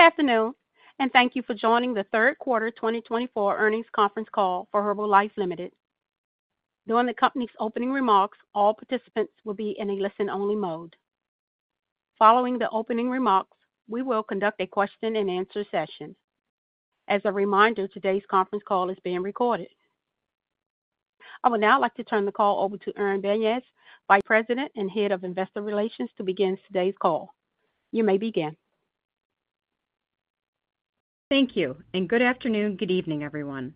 Good afternoon, and thank you for joining the third quarter 2024 earnings conference call for Herbalife Limited. During the company's opening remarks, all participants will be in a listen-only mode. Following the opening remarks, we will conduct a question-and-answer session. As a reminder, today's conference call is being recorded. I would now like to turn the call over to Erin Banyas, Vice President and Head of Investor Relations, to begin today's call. You may begin. Thank you, and good afternoon, good evening, everyone.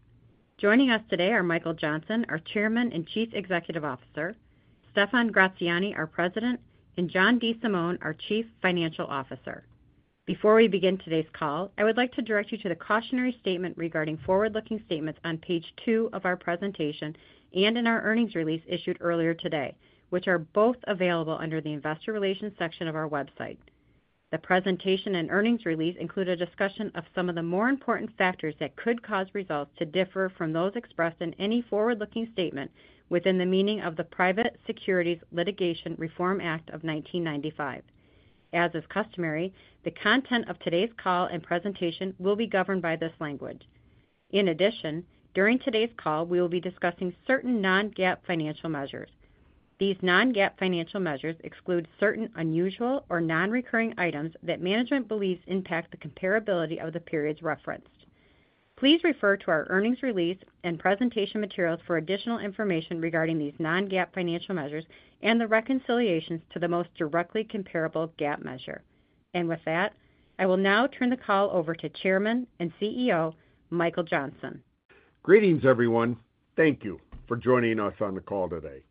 Joining us today are Michael Johnson, our Chairman and Chief Executive Officer, Stephan Gratziani, our President, and John DeSimone, our Chief Financial Officer. Before we begin today's call, I would like to direct you to the cautionary statement regarding forward-looking statements on page two of our presentation and in our earnings release issued earlier today, which are both available under the Investor Relations section of our website. The presentation and earnings release include a discussion of some of the more important factors that could cause results to differ from those expressed in any forward-looking statement within the meaning of the Private Securities Litigation Reform Act of 1995. As is customary, the content of today's call and presentation will be governed by this language. In addition, during today's call, we will be discussing certain non-GAAP financial measures. These non-GAAP financial measures exclude certain unusual or non-recurring items that management believes impact the comparability of the periods referenced. Please refer to our earnings release and presentation materials for additional information regarding these non-GAAP financial measures and the reconciliations to the most directly comparable GAAP measure. And with that, I will now turn the call over to Chairman and CEO Michael Johnson. Greetings, everyone. Thank you for joining us on the call today.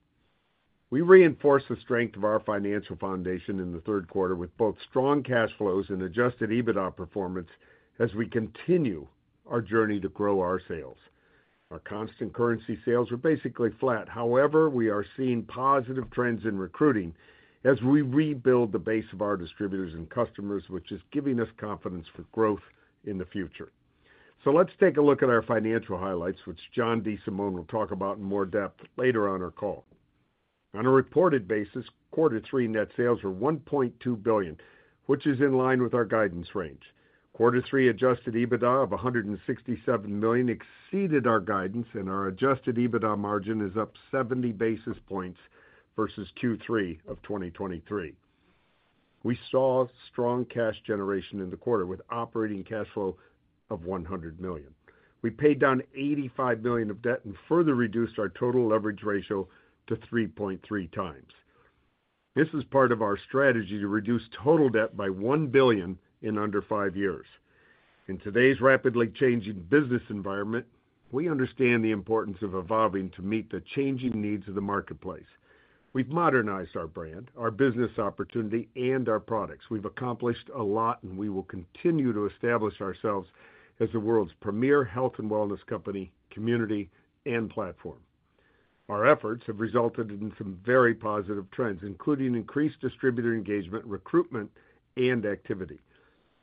We reinforce the strength of our financial foundation in the third quarter with both strong cash flows and Adjusted EBITDA performance as we continue our journey to grow our sales. Our constant currency sales are basically flat. However, we are seeing positive trends in recruiting as we rebuild the base of our distributors and customers, which is giving us confidence for growth in the future, so let's take a look at our financial highlights, which John DeSimone will talk about in more depth later on our call. On a reported basis, quarter three net sales were $1.2 billion, which is in line with our guidance range. Quarter three Adjusted EBITDA of $167 million exceeded our guidance, and our Adjusted EBITDA margin is up 70 basis points versus Q3 of 2023. We saw strong cash generation in the quarter with operating cash flow of $100 million. We paid down $85 million of debt and further reduced our total leverage ratio to 3.3 times. This is part of our strategy to reduce total debt by $1 billion in under five years. In today's rapidly changing business environment, we understand the importance of evolving to meet the changing needs of the marketplace. We've modernized our brand, our business opportunity, and our products. We've accomplished a lot, and we will continue to establish ourselves as the world's premier health and wellness company, community, and platform. Our efforts have resulted in some very positive trends, including increased distributor engagement, recruitment, and activity.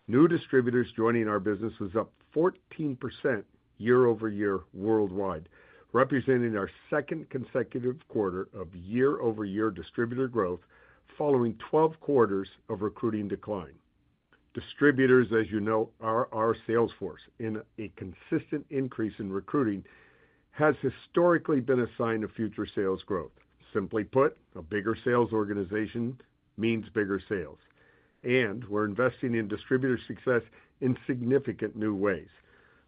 New distributors joining our business is up 14% year-over-year worldwide, representing our second consecutive quarter of year-over-year distributor growth following 12 quarters of recruiting decline. Distributors, as you know, are our sales force, and a consistent increase in recruiting has historically been a sign of future sales growth. Simply put, a bigger sales organization means bigger sales. And we're investing in distributor success in significant new ways.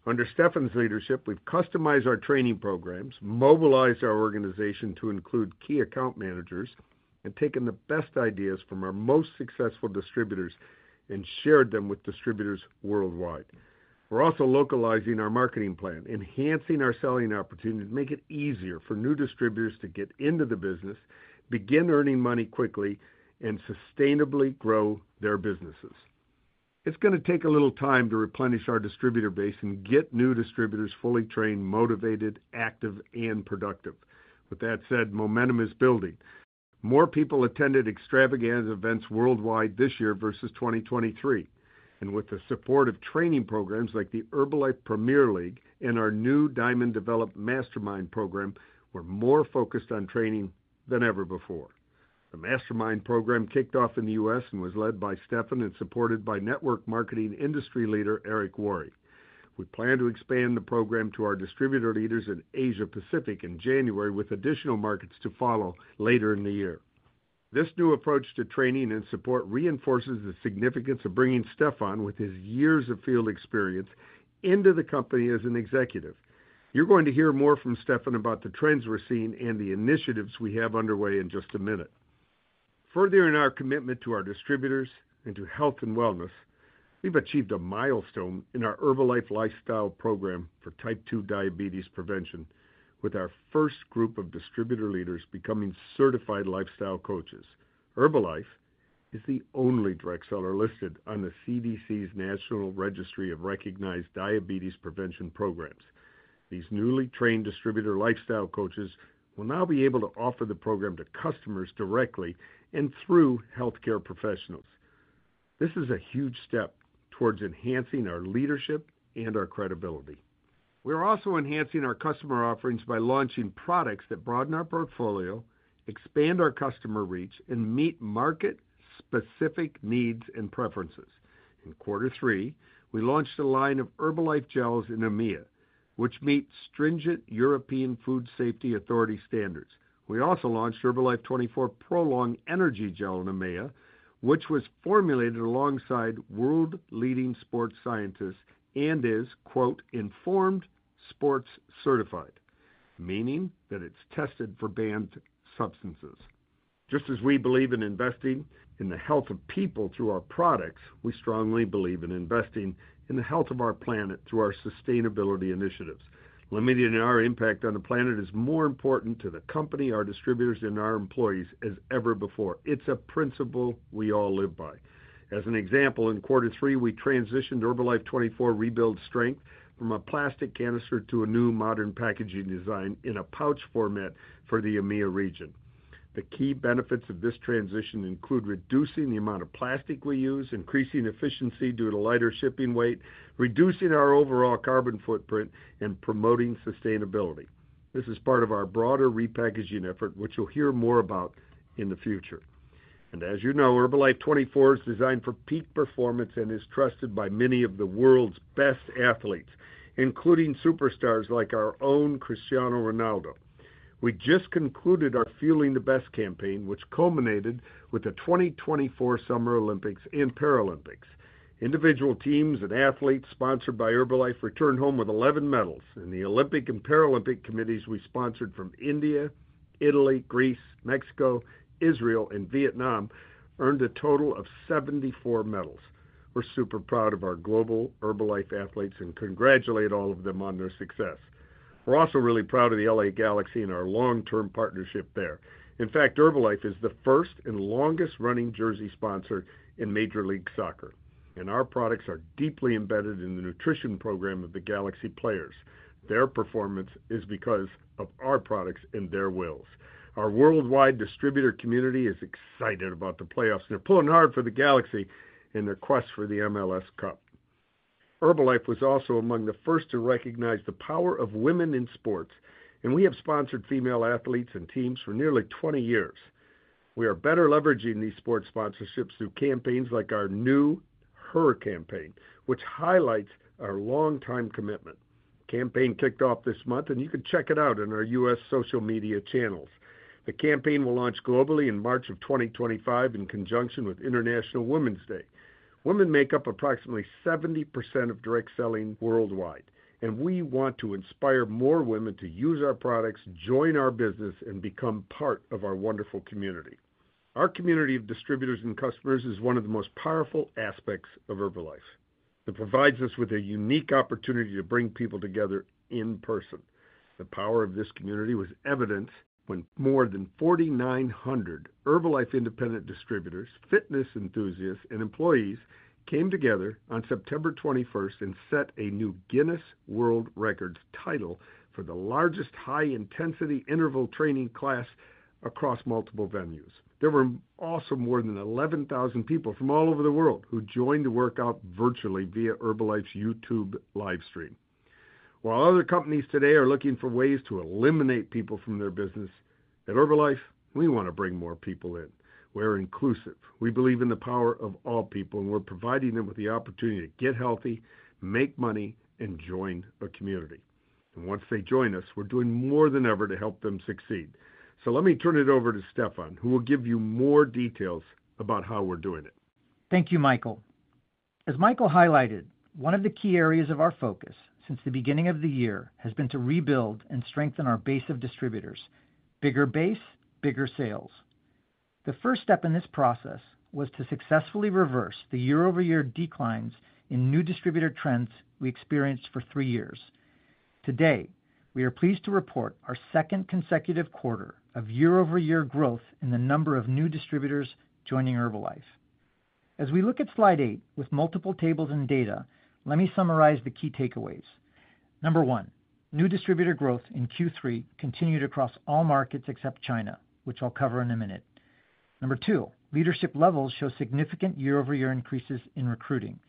Under Stephan's leadership, we've customized our training programs, mobilized our organization to include key account managers, and taken the best ideas from our most successful distributors and shared them with distributors worldwide. We're also localizing our marketing plan, enhancing our selling opportunities to make it easier for new distributors to get into the business, begin earning money quickly, and sustainably grow their businesses. It's going to take a little time to replenish our distributor base and get new distributors fully trained, motivated, active, and productive. With that said, momentum is building. More people attended Extravaganza events worldwide this year versus 2023. With the support of training programs like the Herbalife Premier League and our new Diamond Development Mastermind program, we're more focused on training than ever before. The Mastermind program kicked off in the U.S. and was led by Stephan and supported by Network Marketing Industry Leader Eric Worre. We plan to expand the program to our distributor leaders in Asia-Pacific in January, with additional markets to follow later in the year. This new approach to training and support reinforces the significance of bringing Stephan, with his years of field experience, into the company as an executive. You're going to hear more from Stephan about the trends we're seeing and the initiatives we have underway in just a minute. Furthering our commitment to our distributors and to health and wellness, we've achieved a milestone in our Herbalife Lifestyle Program for type 2 diabetes prevention, with our first group of distributor leaders becoming certified Lifestyle Coaches. Herbalife is the only direct seller listed on the CDC's National Registry of Recognized Diabetes Prevention Programs. These newly trained distributor Lifestyle Coaches will now be able to offer the program to customers directly and through healthcare professionals. This is a huge step towards enhancing our leadership and our credibility. We're also enhancing our customer offerings by launching products that broaden our portfolio, expand our customer reach, and meet market-specific needs and preferences. In quarter three, we launched a line of Herbalife gels in EMEA, which meet stringent European Food Safety Authority standards. We also launched Herbalife24 Prolong Energy Gel in EMEA, which was formulated alongside world-leading sports scientists and is, quote, "Informed Sport Certified," meaning that it's tested for banned substances. Just as we believe in investing in the health of people through our products, we strongly believe in investing in the health of our planet through our sustainability initiatives. Limiting our impact on the planet is more important to the company, our distributors, and our employees as ever before. It's a principle we all live by. As an example, in quarter three, we transitioned Herbalife24 Rebuild Strength from a plastic canister to a new modern packaging design in a pouch format for the EMEA region. The key benefits of this transition include reducing the amount of plastic we use, increasing efficiency due to lighter shipping weight, reducing our overall carbon footprint, and promoting sustainability. This is part of our broader repackaging effort, which you'll hear more about in the future. And as you know, Herbalife24 is designed for peak performance and is trusted by many of the world's best athletes, including superstars like our own Cristiano Ronaldo. We just concluded our Fueling the Best campaign, which culminated with the 2024 Summer Olympics and Paralympics. Individual teams and athletes sponsored by Herbalife returned home with 11 medals, and the Olympic and Paralympic committees we sponsored from India, Italy, Greece, Mexico, Israel, and Vietnam earned a total of 74 medals. We're super proud of our global Herbalife athletes and congratulate all of them on their success. We're also really proud of the LA Galaxy and our long-term partnership there. In fact, Herbalife is the first and longest-running jersey sponsor in Major League Soccer, and our products are deeply embedded in the nutrition program of the Galaxy players. Their performance is because of our products and their wills. Our worldwide distributor community is excited about the playoffs, and they're pulling hard for the Galaxy in their quest for the MLS Cup. Herbalife was also among the first to recognize the power of women in sports, and we have sponsored female athletes and teams for nearly 20 years. We are better leveraging these sports sponsorships through campaigns like our new HER campaign, which highlights our long-time commitment. The campaign kicked off this month, and you can check it out on our U.S. social media channels. The campaign will launch globally in March of 2025 in conjunction with International Women's Day. Women make up approximately 70% of direct selling worldwide, and we want to inspire more women to use our products, join our business, and become part of our wonderful community. Our community of distributors and customers is one of the most powerful aspects of Herbalife. It provides us with a unique opportunity to bring people together in person. The power of this community was evident when more than 4,900 Herbalife independent distributors, fitness enthusiasts, and employees came together on September 21st and set a new Guinness World Records title for the largest high-intensity interval training class across multiple venues. There were also more than 11,000 people from all over the world who joined the workout virtually via Herbalife's YouTube live stream. While other companies today are looking for ways to eliminate people from their business, at Herbalife, we want to bring more people in. We're inclusive. We believe in the power of all people, and we're providing them with the opportunity to get healthy, make money, and join a community. And once they join us, we're doing more than ever to help them succeed. So let me turn it over to Stephan, who will give you more details about how we're doing it. Thank you, Michael. As Michael highlighted, one of the key areas of our focus since the beginning of the year has been to rebuild and strengthen our base of distributors: bigger base, bigger sales. The first step in this process was to successfully reverse the year-over-year declines in new distributor trends we experienced for three years. Today, we are pleased to report our second consecutive quarter of year-over-year growth in the number of new distributors joining Herbalife. As we look at slide eight with multiple tables and data, let me summarize the key takeaways. Number one, new distributor growth in Q3 continued across all markets except China, which I'll cover in a minute. Number two, leadership levels show significant year-over-year increases in recruiting.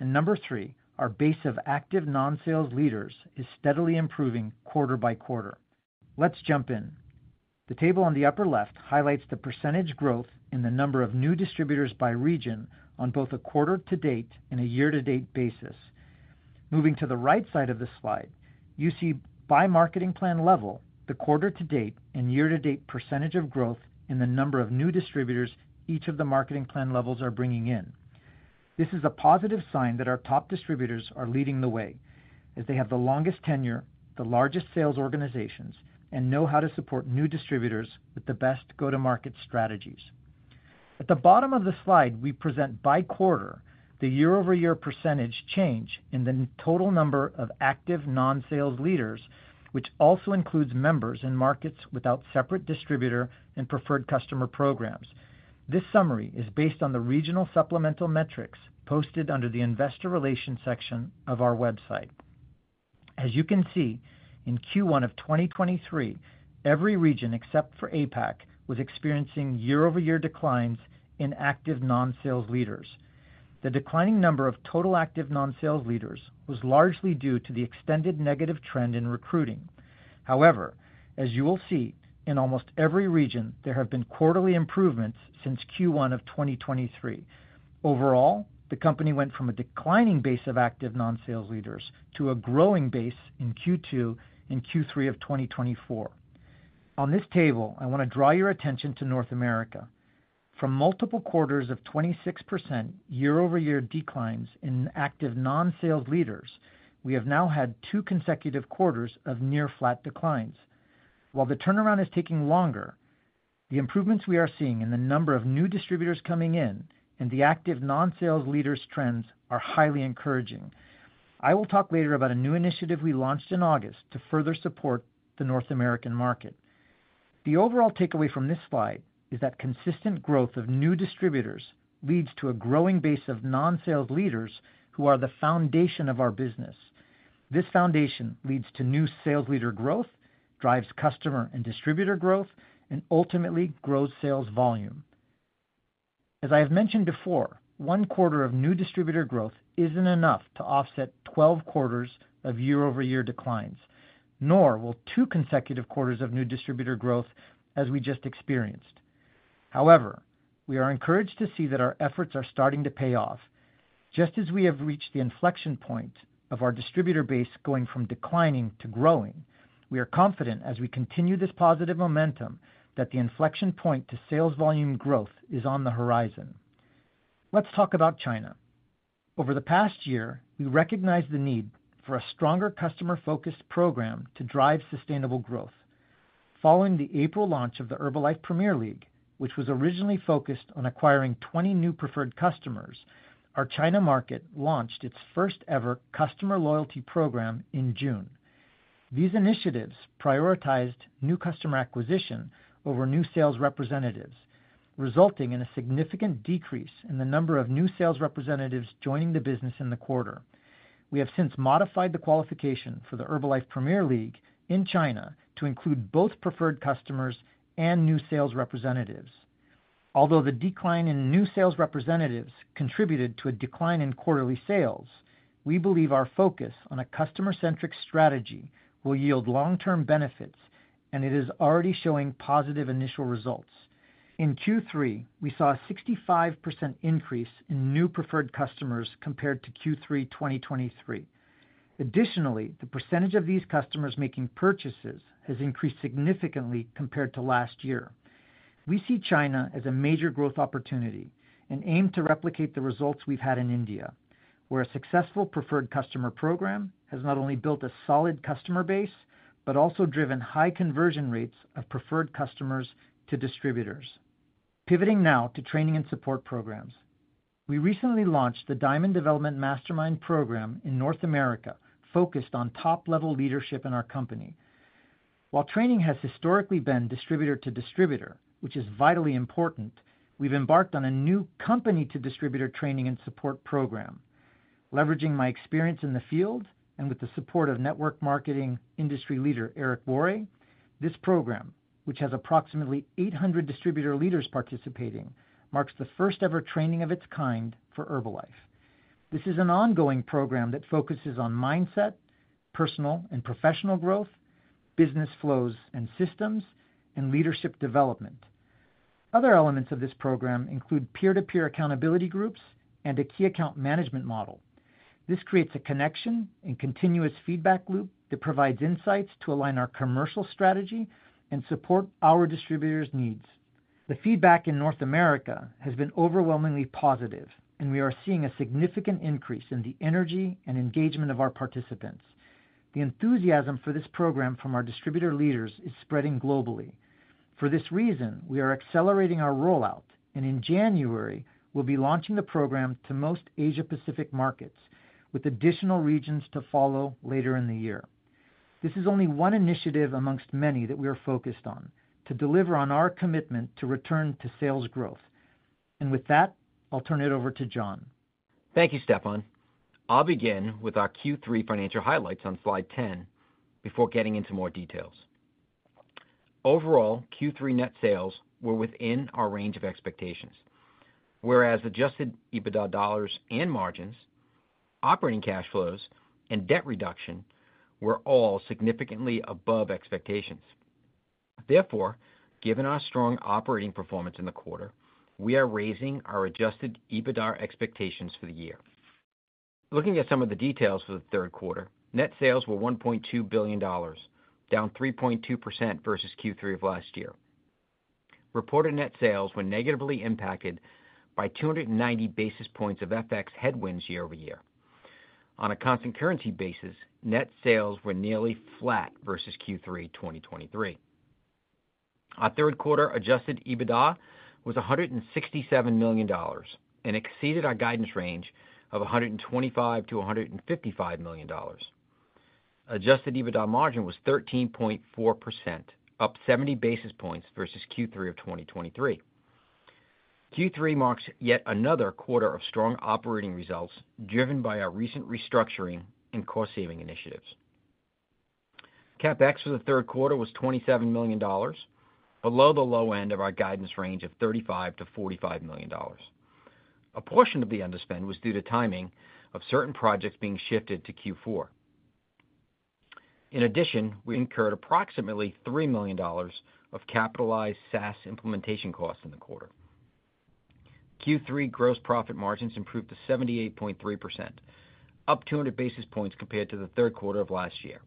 And number three, our base of Active Non-Sales Leaders is steadily improving quarter by quarter. Let's jump in. The table on the upper left highlights the percentage growth in the number of new distributors by region on both a quarter-to-date and a year-to-date basis. Moving to the right side of the slide, you see by marketing plan level, the quarter-to-date and year-to-date percentage of growth in the number of new distributors each of the marketing plan levels are bringing in. This is a positive sign that our top distributors are leading the way, as they have the longest tenure, the largest sales organizations, and know how to support new distributors with the best go-to-market strategies. At the bottom of the slide, we present by quarter the year-over-year percentage change in the total number of Active Non-Sales Leaders, which also includes members and markets without separate distributor and Preferred Customer programs. This summary is based on the regional supplemental metrics posted under the Investor Relations section of our website. As you can see, in Q1 of 2023, every region except for APAC was experiencing year-over-year declines in Active Non-Sales Leaders. The declining number of total Active Non-Sales Leaders was largely due to the extended negative trend in recruiting. However, as you will see, in almost every region, there have been quarterly improvements since Q1 of 2023. Overall, the company went from a declining base of Active Non-Sales Leaders to a growing base in Q2 and Q3 of 2024. On this table, I want to draw your attention to North America. From multiple quarters of 26% year-over-year declines in Active Non-Sales Leaders, we have now had two consecutive quarters of near-flat declines. While the turnaround is taking longer, the improvements we are seeing in the number of new distributors coming in and the Active Non-Sales Leaders trends are highly encouraging. I will talk later about a new initiative we launched in August to further support the North American market. The overall takeaway from this slide is that consistent growth of new distributors leads to a growing base of non-sales leaders who are the foundation of our business. This foundation leads to new sales leader growth, drives customer and distributor growth, and ultimately grows sales volume. As I have mentioned before, one quarter of new distributor growth isn't enough to offset 12 quarters of year-over-year declines, nor will two consecutive quarters of new distributor growth, as we just experienced. However, we are encouraged to see that our efforts are starting to pay off. Just as we have reached the inflection point of our distributor base going from declining to growing, we are confident, as we continue this positive momentum, that the inflection point to sales volume growth is on the horizon. Let's talk about China. Over the past year, we recognized the need for a stronger customer-focused program to drive sustainable growth. Following the April launch of the Herbalife Premier League, which was originally focused on acquiring 20 new Preferred Customers, our China market launched its first-ever customer loyalty program in June. These initiatives prioritized new customer acquisition over new Sales Representatives, resulting in a significant decrease in the number of new Sales Representatives joining the business in the quarter. We have since modified the qualification for the Herbalife Premier League in China to include both Preferred Customers and new Sales Representatives. Although the decline in new Sales Representatives contributed to a decline in quarterly sales, we believe our focus on a customer-centric strategy will yield long-term benefits, and it is already showing positive initial results. In Q3, we saw a 65% increase in new preferred customers compared to Q3 2023. Additionally, the percentage of these customers making purchases has increased significantly compared to last year. We see China as a major growth opportunity and aim to replicate the results we've had in India, where a successful Preferred Customer program has not only built a solid customer base but also driven high conversion rates of Preferred Customers to distributors. Pivoting now to training and support programs, we recently launched the Diamond Development Mastermind program in North America, focused on top-level leadership in our company. While training has historically been distributor-to-distributor, which is vitally important, we've embarked on a new company-to-distributor training and support program. Leveraging my experience in the field and with the support of network marketing industry leader Eric Worre, this program, which has approximately 800 distributor leaders participating, marks the first-ever training of its kind for Herbalife. This is an ongoing program that focuses on mindset, personal and professional growth, business flows and systems, and leadership development. Other elements of this program include peer-to-peer accountability groups and a key account management model. This creates a connection and continuous feedback loop that provides insights to align our commercial strategy and support our distributors' needs. The feedback in North America has been overwhelmingly positive, and we are seeing a significant increase in the energy and engagement of our participants. The enthusiasm for this program from our distributor leaders is spreading globally. For this reason, we are accelerating our rollout, and in January, we'll be launching the program to most Asia-Pacific markets, with additional regions to follow later in the year. This is only one initiative amongst many that we are focused on to deliver on our commitment to return to sales growth. With that, I'll turn it over to John. Thank you, Stephan. I'll begin with our Q3 financial highlights on slide 10 before getting into more details. Overall, Q3 net sales were within our range of expectations, whereas adjusted EBITDA dollars and margins, operating cash flows, and debt reduction were all significantly above expectations. Therefore, given our strong operating performance in the quarter, we are raising our adjusted EBITDA expectations for the year. Looking at some of the details for the third quarter, net sales were $1.2 billion, down 3.2% versus Q3 of last year. Reported net sales were negatively impacted by 290 basis points of FX headwinds year-over-year. On a constant currency basis, net sales were nearly flat versus Q3 2023. Our third quarter adjusted EBITDA was $167 million and exceeded our guidance range of $125-$155 million. Adjusted EBITDA margin was 13.4%, up 70 basis points versus Q3 of 2023. Q3 marks yet another quarter of strong operating results driven by our recent restructuring and cost-saving initiatives. CapEx for the third quarter was $27 million, below the low end of our guidance range of $35-$45 million. A portion of the underspend was due to timing of certain projects being shifted to Q4. In addition, we incurred approximately $3 million of capitalized SaaS implementation costs in the quarter. Q3 gross profit margins improved to 78.3%, up 200 basis points compared to the third quarter of last year.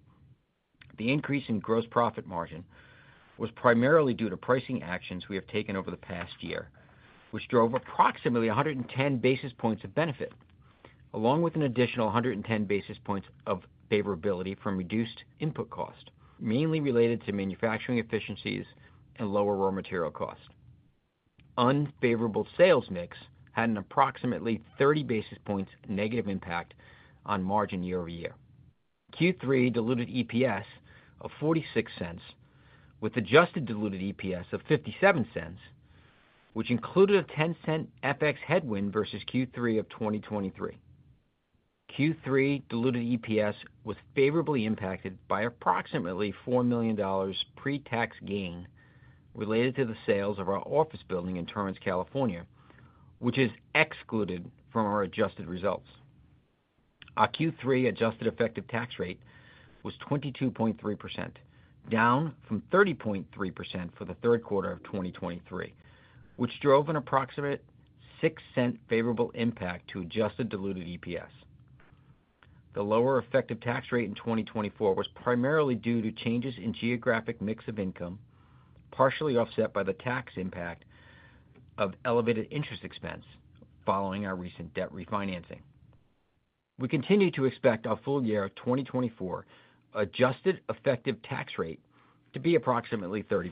The increase in gross profit margin was primarily due to pricing actions we have taken over the past year, which drove approximately 110 basis points of benefit, along with an additional 110 basis points of favorability from reduced input cost, mainly related to manufacturing efficiencies and lower raw material cost. Unfavorable sales mix had an approximately 30 basis points negative impact on margin year-over-year. Q3 diluted EPS of 46 cents, with adjusted diluted EPS of 57 cents, which included a 10-cent FX headwind versus Q3 of 2023. Q3 diluted EPS was favorably impacted by approximately $4 million pre-tax gain related to the sales of our office building in Torrance, California, which is excluded from our adjusted results. Our Q3 adjusted effective tax rate was 22.3%, down from 30.3% for the third quarter of 2023, which drove an approximate 6-cent favorable impact to adjusted diluted EPS. The lower effective tax rate in 2024 was primarily due to changes in geographic mix of income, partially offset by the tax impact of elevated interest expense following our recent debt refinancing. We continue to expect our full year of 2024 adjusted effective tax rate to be approximately 30%.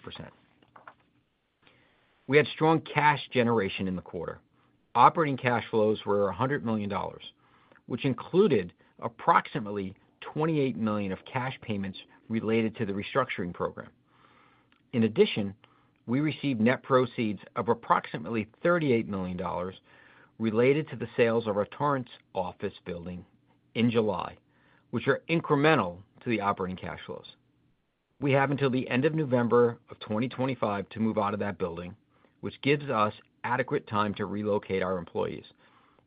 We had strong cash generation in the quarter. Operating cash flows were $100 million, which included approximately $28 million of cash payments related to the restructuring program. In addition, we received net proceeds of approximately $38 million related to the sales of our Torrance office building in July, which are incremental to the operating cash flows. We have until the end of November of 2025 to move out of that building, which gives us adequate time to relocate our employees,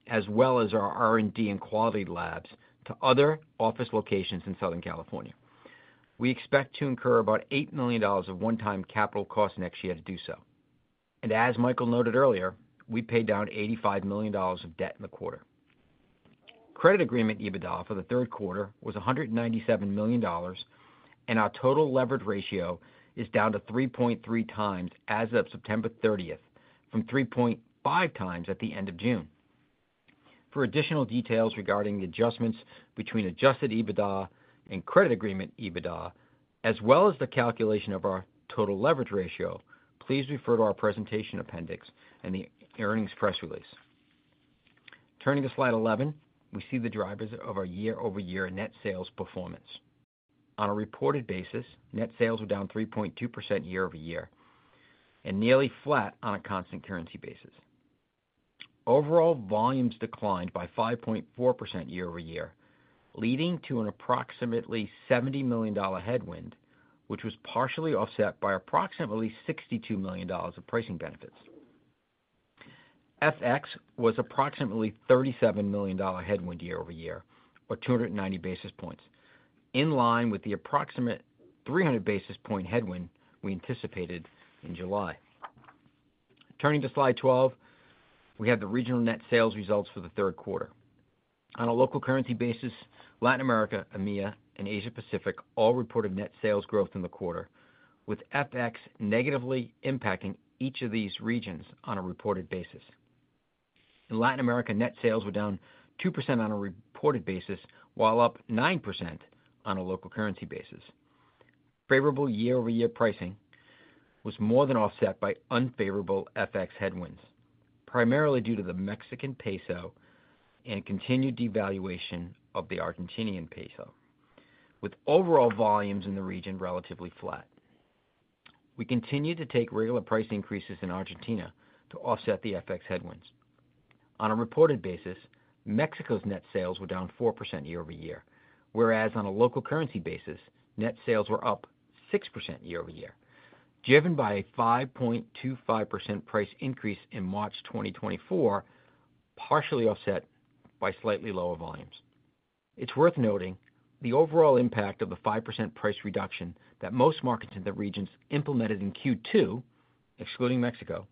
as well as our R&D and quality labs to other office locations in Southern California. We expect to incur about $8 million of one-time capital costs next year to do so. And as Michael noted earlier, we paid down $85 million of debt in the quarter. Credit Agreement EBITDA for the third quarter was $197 million, and our total leverage ratio is down to 3.3 times as of September 30th from 3.5 times at the end of June. For additional details regarding the adjustments between adjusted EBITDA and credit Agreement EBITDA, as well as the calculation of our total leverage ratio, please refer to our presentation appendix and the earnings press release. Turning to slide 11, we see the drivers of our year-over-year net sales performance. On a reported basis, net sales were down 3.2% year-over-year and nearly flat on a constant currency basis. Overall volumes declined by 5.4% year-over-year, leading to an approximately $70 million headwind, which was partially offset by approximately $62 million of pricing benefits. FX was approximately $37 million headwind year-over-year, or 290 basis points, in line with the approximate 300 basis point headwind we anticipated in July. Turning to slide 12, we have the regional net sales results for the third quarter. On a local currency basis, Latin America, EMEA, and Asia-Pacific all reported net sales growth in the quarter, with FX negatively impacting each of these regions on a reported basis. In Latin America, net sales were down 2% on a reported basis, while up 9% on a local currency basis. Favorable year-over-year pricing was more than offset by unfavorable FX headwinds, primarily due to the Mexican peso and continued devaluation of the Argentinian peso, with overall volumes in the region relatively flat. We continue to take regular price increases in Argentina to offset the FX headwinds. On a reported basis, Mexico's net sales were down 4% year-over-year, whereas on a local currency basis, net sales were up 6% year-over-year, driven by a 5.25% price increase in March 2024, partially offset by slightly lower volumes. It's worth noting the overall impact of the 5% price reduction that most markets in the regions implemented in Q2, excluding Mexico,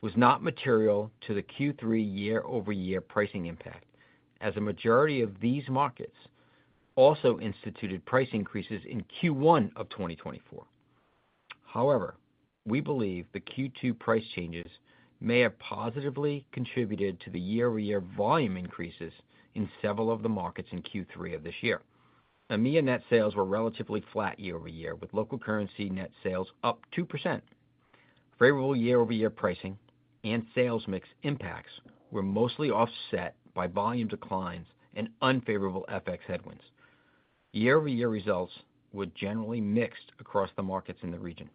was not material to the Q3 year-over-year pricing impact, as a majority of these markets also instituted price increases in Q1 of 2024. However, we believe the Q2 price changes may have positively contributed to the year-over-year volume increases in several of the markets in Q3 of this year. EMEA net sales were relatively flat year-over-year, with local currency net sales up 2%. Favorable year-over-year pricing and sales mix impacts were mostly offset by volume declines and unfavorable FX headwinds. Year-over-year results were generally mixed across the markets in the region.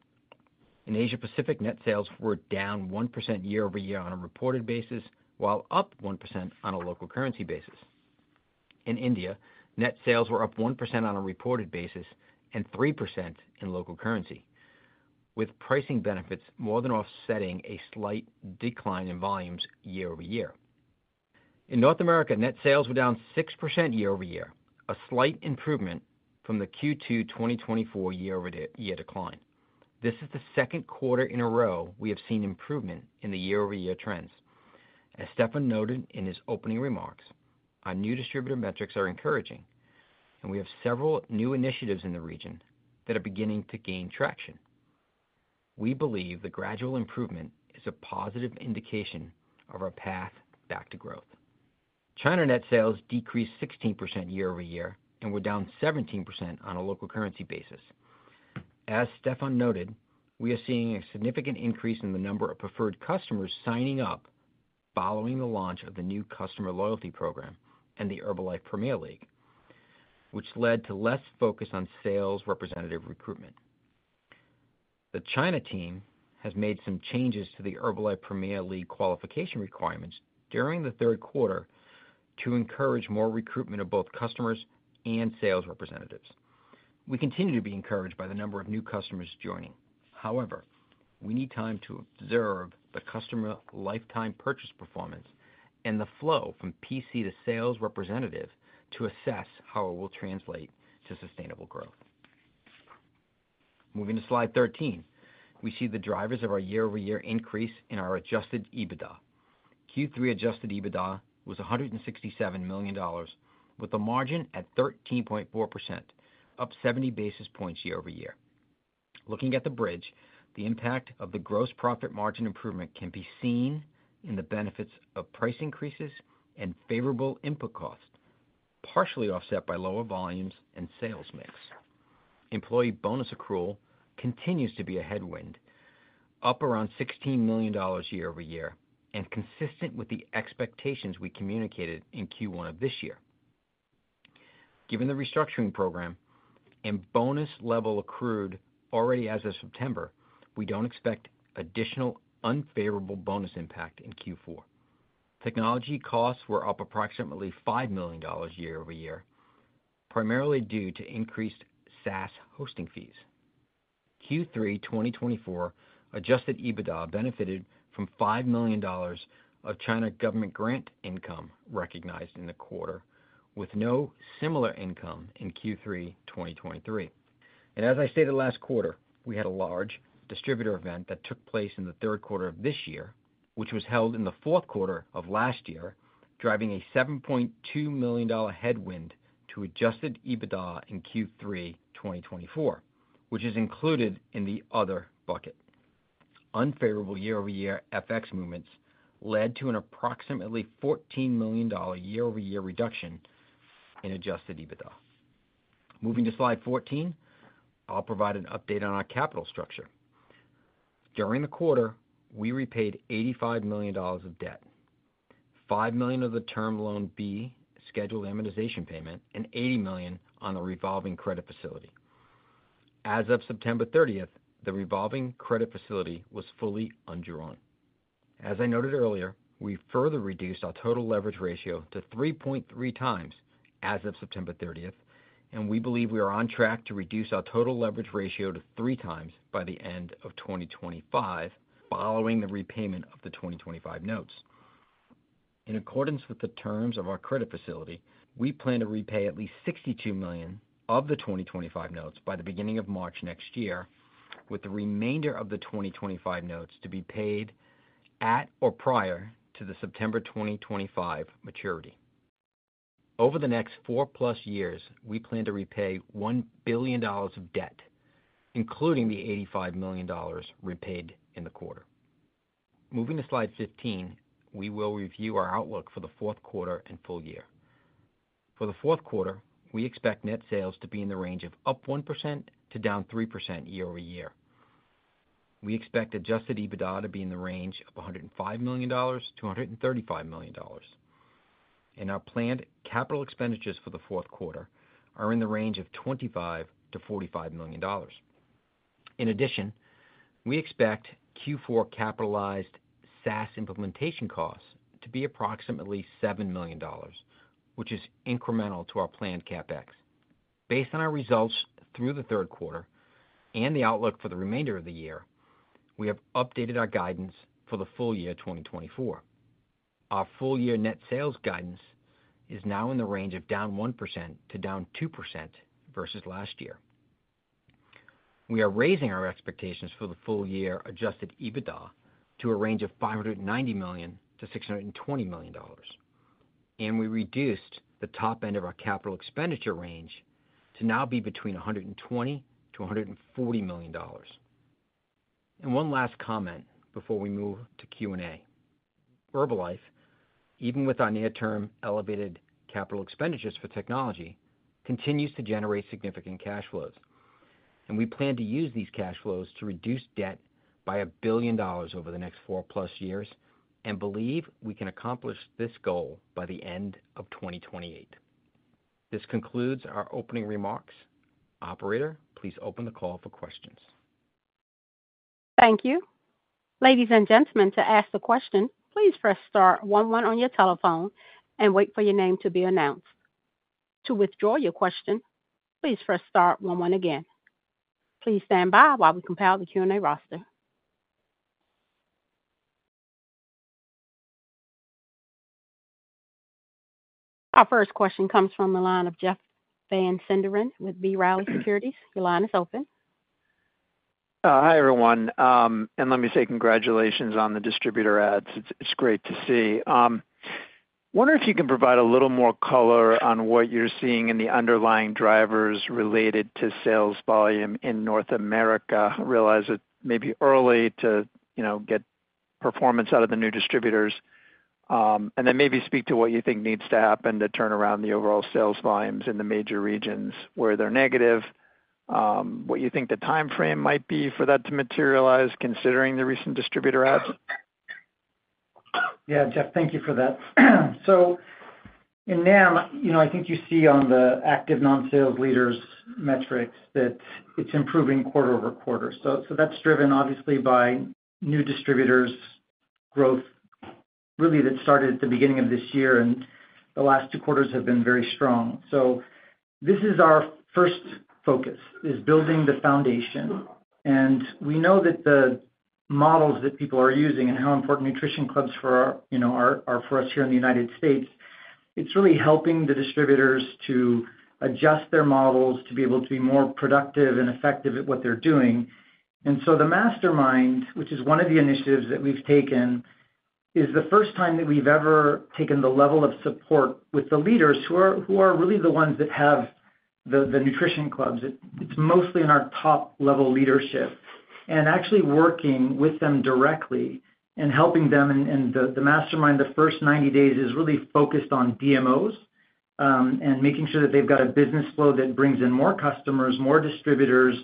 In Asia-Pacific, net sales were down 1% year-over-year on a reported basis, while up 1% on a local currency basis. In India, net sales were up 1% on a reported basis and 3% in local currency, with pricing benefits more than offsetting a slight decline in volumes year-over-year. In North America, net sales were down 6% year-over-year, a slight improvement from the Q2 2024 year-over-year decline. This is the second quarter in a row we have seen improvement in the year-over-year trends. As Stephan noted in his opening remarks, our new distributor metrics are encouraging, and we have several new initiatives in the region that are beginning to gain traction. We believe the gradual improvement is a positive indication of our path back to growth. China net sales decreased 16% year-over-year and were down 17% on a local currency basis. As Stephan noted, we are seeing a significant increase in the number of Preferred Customers signing up following the launch of the new customer loyalty program and the Herbalife Premier League, which led to less focus on sales representative recruitment. The China team has made some changes to the Herbalife Premier League qualification requirements during the third quarter to encourage more recruitment of both customers and Sales Representatives. We continue to be encouraged by the number of new customers joining. However, we need time to observe the customer lifetime purchase performance and the flow from PC to sales representative to assess how it will translate to sustainable growth. Moving to slide 13, we see the drivers of our year-over-year increase in our adjusted EBITDA. Q3 adjusted EBITDA was $167 million, with a margin at 13.4%, up 70 basis points year-over-year. Looking at the bridge, the impact of the gross profit margin improvement can be seen in the benefits of price increases and favorable input costs, partially offset by lower volumes and sales mix. Employee bonus accrual continues to be a headwind, up around $16 million year-over-year and consistent with the expectations we communicated in Q1 of this year. Given the restructuring program and bonus level accrued already as of September, we don't expect additional unfavorable bonus impact in Q4. Technology costs were up approximately $5 million year-over-year, primarily due to increased SaaS hosting fees. Q3 2024 Adjusted EBITDA benefited from $5 million of China government grant income recognized in the quarter, with no similar income in Q3 2023. As I stated last quarter, we had a large distributor event that took place in the third quarter of this year, which was held in the fourth quarter of last year, driving a $7.2 million headwind to Adjusted EBITDA in Q3 2024, which is included in the other bucket. Unfavorable year-over-year FX movements led to an approximately $14 million year-over-year reduction in Adjusted EBITDA. Moving to slide 14, I'll provide an update on our capital structure. During the quarter, we repaid $85 million of debt, $5 million of the Term Loan B scheduled amortization payment, and $80 million on the revolving credit facility. As of September 30th, the revolving credit facility was fully undrawn. As I noted earlier, we further reduced our total leverage ratio to 3.3 times as of September 30th, and we believe we are on track to reduce our total leverage ratio to three times by the end of 2025, following the repayment of the 2025 notes. In accordance with the terms of our credit facility, we plan to repay at least $62 million of the 2025 notes by the beginning of March next year, with the remainder of the 2025 notes to be paid at or prior to the September 2025 maturity. Over the next four-plus years, we plan to repay $1 billion of debt, including the $85 million repaid in the quarter. Moving to slide 15, we will review our outlook for the fourth quarter and full year. For the fourth quarter, we expect net sales to be in the range of up 1% to down 3% year-over-year. We expect Adjusted EBITDA to be in the range of $105-$135 million. And our planned capital expenditures for the fourth quarter are in the range of $25-$45 million. In addition, we expect Q4 capitalized SaaS implementation costs to be approximately $7 million, which is incremental to our planned CapEx. Based on our results through the third quarter and the outlook for the remainder of the year, we have updated our guidance for the full year 2024. Our full year net sales guidance is now in the range of down 1%-2% versus last year. We are raising our expectations for the full year Adjusted EBITDA to a range of $590-$620 million, and we reduced the top end of our capital expenditure range to now be between $120-$140 million. And one last comment before we move to Q&A. Herbalife, even with our near-term elevated capital expenditures for technology, continues to generate significant cash flows, and we plan to use these cash flows to reduce debt by $1 billion over the next four-plus years and believe we can accomplish this goal by the end of 2028. This concludes our opening remarks. Operator, please open the call for questions. Thank you. Ladies and gentlemen, to ask a question, please press star 11 on your telephone and wait for your name to be announced. To withdraw your question, please press star 11 again. Please stand by while we compile the Q&A roster. Our first question comes from the line of Jeff Van Sinderen with B. Riley Securities. the line is open. Hi, everyone. And let me say congratulations on the distributor adds. It's great to see. I wonder if you can provide a little more color on what you're seeing in the underlying drivers related to sales volume in North America. I realize it may be early to get performance out of the new distributors. And then maybe speak to what you think needs to happen to turn around the overall sales volumes in the major regions where they're negative. What you think the timeframe might be for that to materialize, considering the recent distributor adds? Yeah, Jeff, thank you for that. So in NAM, I think you see on the Active Non-Sales Leaders metrics that it's improving quarter over quarter. So that's driven, obviously, by new distributors' growth, really, that started at the beginning of this year, and the last two quarters have been very strong. So this is our first focus, is building the foundation. And we know that the models that people are using and how important nutrition clubs are for us here in the United States, it's really helping the distributors to adjust their models to be able to be more productive and effective at what they're doing. And so the Mastermind, which is one of the initiatives that we've taken, is the first time that we've ever taken the level of support with the leaders who are really the ones that have the nutrition clubs. It's mostly in our top-level leadership and actually working with them directly and helping them, and the Mastermind, the first 90 days, is really focused on DMOs and making sure that they've got a business flow that brings in more customers, more distributors,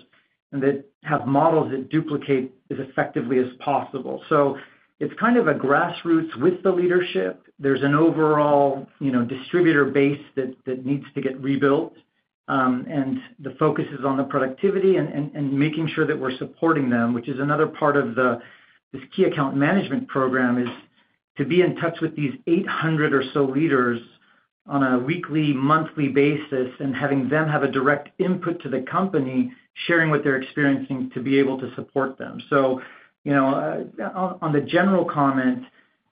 and that have models that duplicate as effectively as possible, so it's kind of a grassroots with the leadership. There's an overall distributor base that needs to get rebuilt, and the focus is on the productivity and making sure that we're supporting them, which is another part of this key account management program, is to be in touch with these 800 or so leaders on a weekly, monthly basis and having them have a direct input to the company, sharing what they're experiencing to be able to support them, so on the general comment,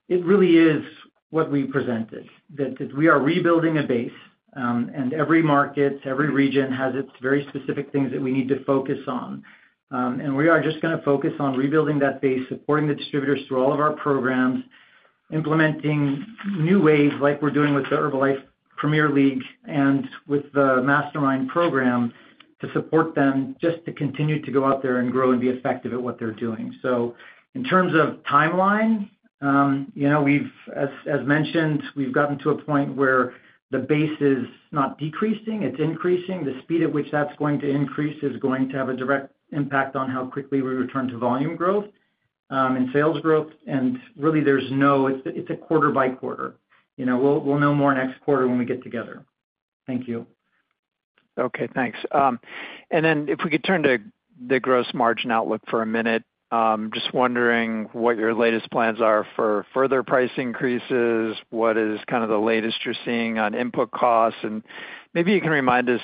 it really is what we presented, that we are rebuilding a base. And every market, every region has its very specific things that we need to focus on. And we are just going to focus on rebuilding that base, supporting the distributors through all of our programs, implementing new ways like we're doing with the Herbalife Premier League and with the Mastermind program to support them just to continue to go out there and grow and be effective at what they're doing. So in terms of timeline, as mentioned, we've gotten to a point where the base is not decreasing. It's increasing. The speed at which that's going to increase is going to have a direct impact on how quickly we return to volume growth and sales growth. And really, there's no, it's a quarter by quarter. We'll know more next quarter when we get together. Thank you. Okay, thanks. And then if we could turn to the gross margin outlook for a minute, just wondering what your latest plans are for further price increases, what is kind of the latest you're seeing on input costs, and maybe you can remind us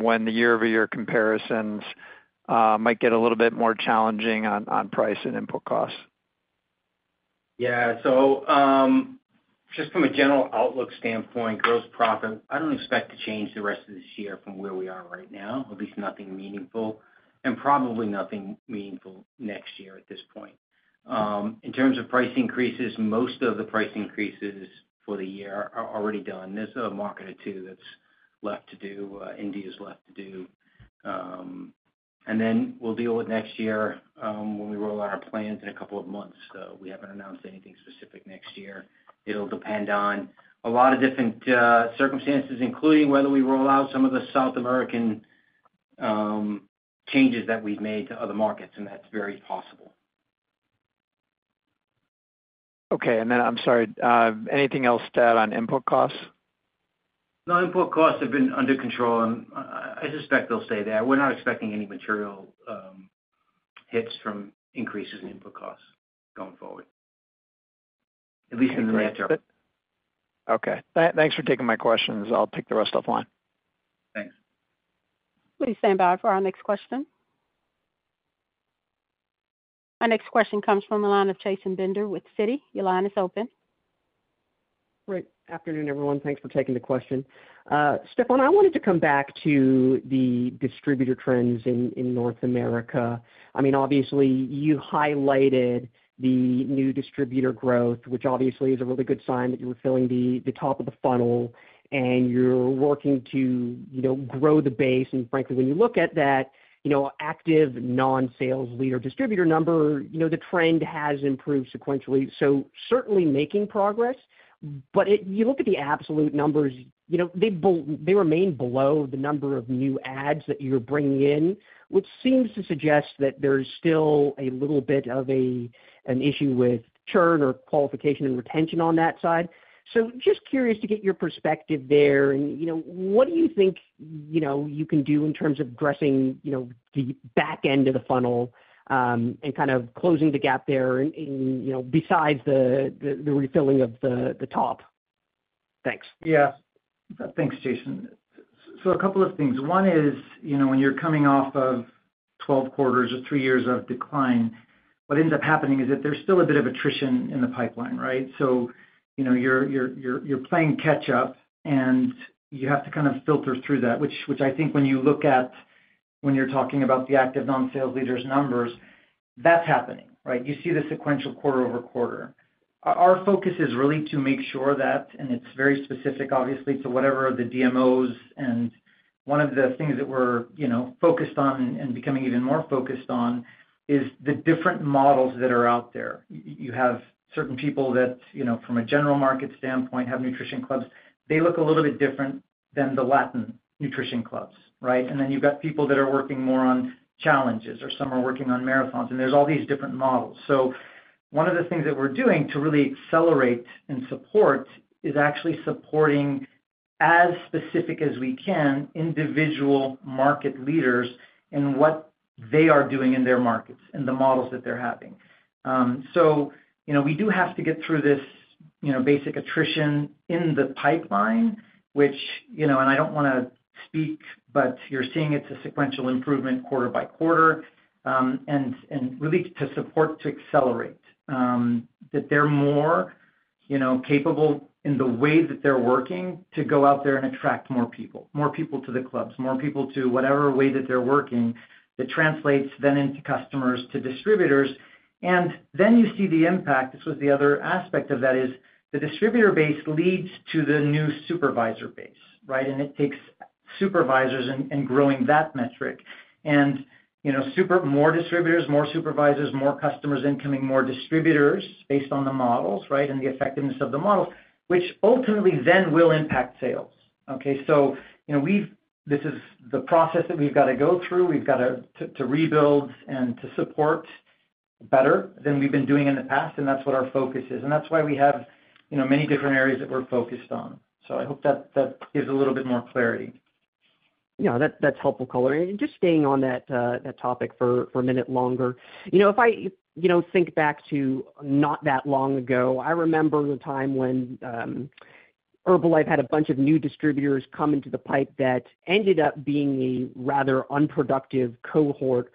when the year-over-year comparisons might get a little bit more challenging on price and input costs. Yeah. So just from a general outlook standpoint, gross profit, I don't expect to change the rest of this year from where we are right now, at least nothing meaningful, and probably nothing meaningful next year at this point. In terms of price increases, most of the price increases for the year are already done. There's a market or two that's left to do, India's left to do. And then we'll deal with next year when we roll out our plans in a couple of months. So we haven't announced anything specific next year. It'll depend on a lot of different circumstances, including whether we roll out some of the South American changes that we've made to other markets, and that's very possible. Okay. And then I'm sorry, anything else to add on input costs? No, input costs have been under control, and I suspect they'll stay there. We're not expecting any material hits from increases in input costs going forward, at least in the near term. Okay. Thanks for taking my questions. I'll take the rest offline. Thanks. Please stand by for our next question. Our next question comes from the line of Chasen Bender with Citi. Your line is open. Good afternoon, everyone. Thanks for taking the question. Stephan, I wanted to come back to the distributor trends in North America. I mean, obviously, you highlighted the new distributor growth, which obviously is a really good sign that you're filling the top of the funnel and you're working to grow the base. And frankly, when you look at that active non-sales leader distributor number, the trend has improved sequentially. So certainly making progress. But if you look at the absolute numbers, they remain below the number of new adds that you're bringing in, which seems to suggest that there's still a little bit of an issue with churn or qualification and retention on that side. So just curious to get your perspective there. What do you think you can do in terms of addressing the back end of the funnel and kind of closing the gap there besides the refilling of the top? Thanks. Yeah. Thanks, Chasen. So a couple of things. One is when you're coming off of 12 quarters or three years of decline, what ends up happening is that there's still a bit of attrition in the pipeline, right? So you're playing catch-up, and you have to kind of filter through that, which I think when you look at when you're talking about the Active Non-Sales Leaders' numbers, that's happening, right? You see the sequential quarter over quarter. Our focus is really to make sure that, and it's very specific, obviously, to whatever the DMOs and one of the things that we're focused on and becoming even more focused on is the different models that are out there. You have certain people that, from a general market standpoint, have nutrition clubs. They look a little bit different than the Latin nutrition clubs, right? And then you've got people that are working more on challenges, or some are working on marathons. And there's all these different models. So one of the things that we're doing to really accelerate and support is actually supporting, as specific as we can, individual market leaders in what they are doing in their markets and the models that they're having. So we do have to get through this basic attrition in the pipeline, which, and I don't want to speak, but you're seeing it's a sequential improvement quarter by quarter, and really to support, to accelerate, that they're more capable in the way that they're working to go out there and attract more people, more people to the clubs, more people to whatever way that they're working that translates then into customers to distributors. And then you see the impact. This was the other aspect of that is the distributor base leads to the new supervisor base, right? And it takes supervisors and growing that metric. And more distributors, more supervisors, more customers incoming, more distributors based on the models, right, and the effectiveness of the models, which ultimately then will impact sales. Okay? So this is the process that we've got to go through. We've got to rebuild and to support better than we've been doing in the past. And that's what our focus is. And that's why we have many different areas that we're focused on. So I hope that gives a little bit more clarity. Yeah, that's helpful, Michael. And just staying on that topic for a minute longer, if I think back to not that long ago, I remember the time when Herbalife had a bunch of new distributors come into the pipe that ended up being a rather unproductive cohort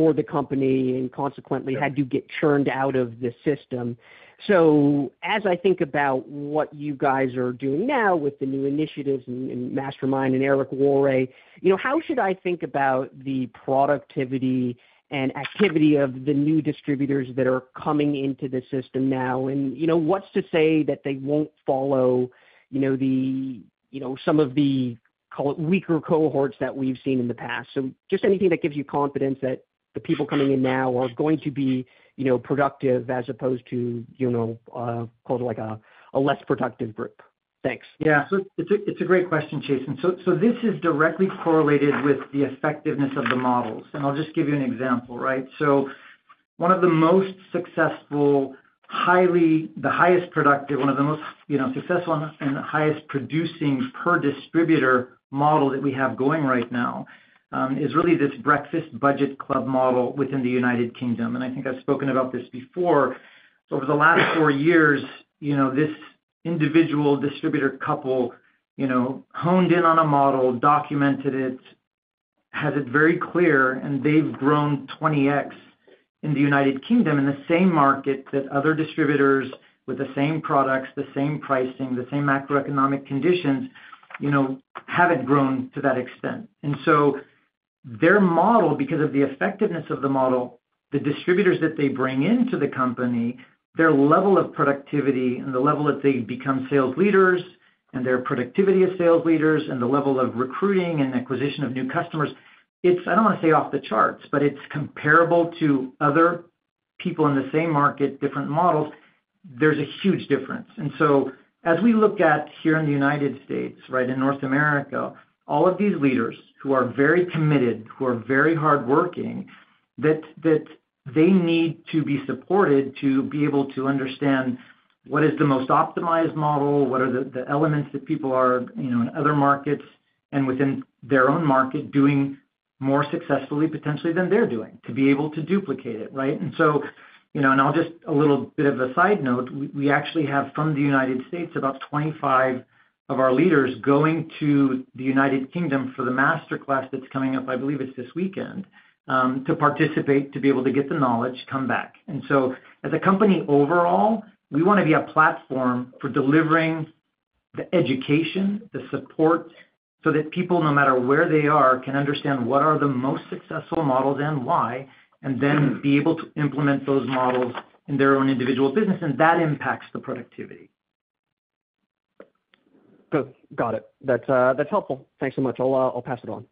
for the company and consequently had to get churned out of the system. So as I think about what you guys are doing now with the new initiatives and Mastermind and Eric Worre, how should I think about the productivity and activity of the new distributors that are coming into the system now? And what's to say that they won't follow some of the, call it, weaker cohorts that we've seen in the past? So just anything that gives you confidence that the people coming in now are going to be productive as opposed to, call it, like a less productive group. Thanks. Yeah. So it's a great question, Chasen. So this is directly correlated with the effectiveness of the models. And I'll just give you an example, right? So one of the most successful, the highest productive, and the highest producing per distributor model that we have going right now is really this breakfast budget club model within the United Kingdom. And I think I've spoken about this before. Over the last four years, this individual distributor couple honed in on a model, documented it, has it very clear, and they've grown 20x in the United Kingdom in the same market that other distributors with the same products, the same pricing, the same macroeconomic conditions haven't grown to that extent. And so their model, because of the effectiveness of the model, the distributors that they bring into the company, their level of productivity and the level that they become sales leaders and their productivity as sales leaders and the level of recruiting and acquisition of new customers, it's, I don't want to say off the charts, but it's comparable to other people in the same market, different models. There's a huge difference. And so as we look at here in the United States, right, in North America, all of these leaders who are very committed, who are very hardworking, that they need to be supported to be able to understand what is the most optimized model, what are the elements that people are in other markets and within their own market doing more successfully, potentially, than they're doing to be able to duplicate it, right? And so, I'll just a little bit of a side note, we actually have from the United States about 25 of our leaders going to the United Kingdom for the masterclass that's coming up, I believe it's this weekend, to participate, to be able to get the knowledge, come back. And so as a company overall, we want to be a platform for delivering the education, the support, so that people, no matter where they are, can understand what are the most successful models and why, and then be able to implement those models in their own individual business. And that impacts the productivity. Got it. That's helpful. Thanks so much. I'll pass it on.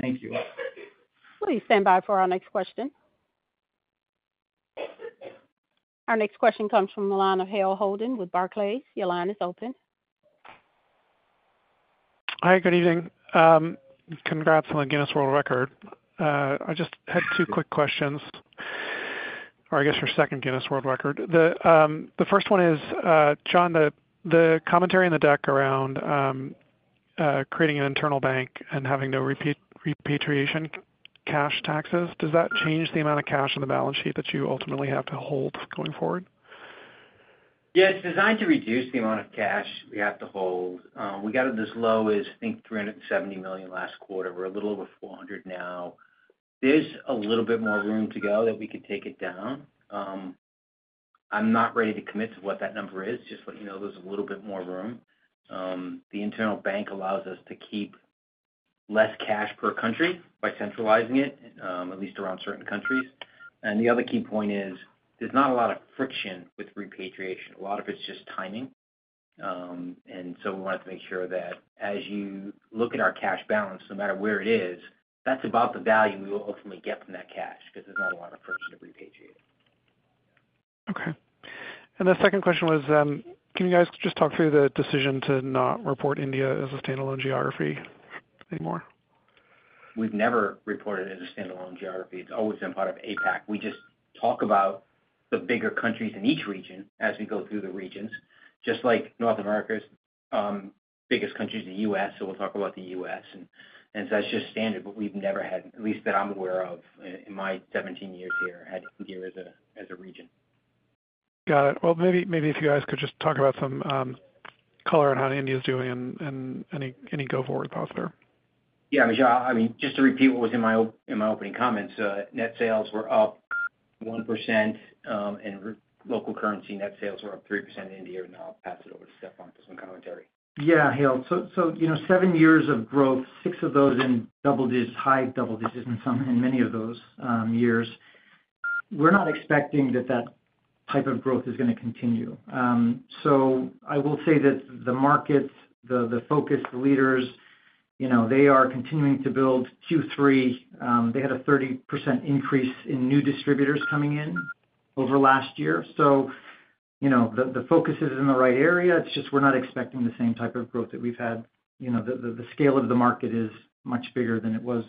Thank you. Please stand by for our next question. Our next question comes from Hale Holden with Barclays. Hale is open. Hi, good evening. Congrats on the Guinness World Record. I just had two quick questions, or I guess your second Guinness World Record. The first one is, John, the commentary in the deck around creating an internal bank and having no repatriation cash taxes, does that change the amount of cash on the balance sheet that you ultimately have to hold going forward? Yeah, it's designed to reduce the amount of cash we have to hold. We got it this low as, I think, $370 million last quarter. We're a little over $400 million now. There's a little bit more room to go that we could take it down. I'm not ready to commit to what that number is. Just letting you know, there's a little bit more room. The internal bank allows us to keep less cash per country by centralizing it, at least around certain countries. And the other key point is there's not a lot of friction with repatriation. A lot of it's just timing. And so we wanted to make sure that as you look at our cash balance, no matter where it is, that's about the value we will ultimately get from that cash because there's not a lot of friction to repatriate. Okay. And the second question was, can you guys just talk through the decision to not report India as a standalone geography anymore? We've never reported it as a standalone geography. It's always been part of APAC. We just talk about the bigger countries in each region as we go through the regions, just like North America's biggest country is the U.S. So we'll talk about the U.S. And that's just standard. But we've never had, at least that I'm aware of in my 17 years here, had India as a region. Got it. Well, maybe if you guys could just talk about some color on how India is doing and any go-forward path there. Yeah. I mean, just to repeat what was in my opening comments, net sales were up 1%, and local currency net sales were up 3% in India, and I'll pass it over to Stephan for some commentary. Yeah, Hale. So seven years of growth, six of those in high double digits in some and many of those years. We're not expecting that type of growth is going to continue. So I will say that the markets, the focus, the leaders, they are continuing to build Q3. They had a 30% increase in new distributors coming in over last year. So the focus is in the right area. It's just we're not expecting the same type of growth that we've had. The scale of the market is much bigger than it was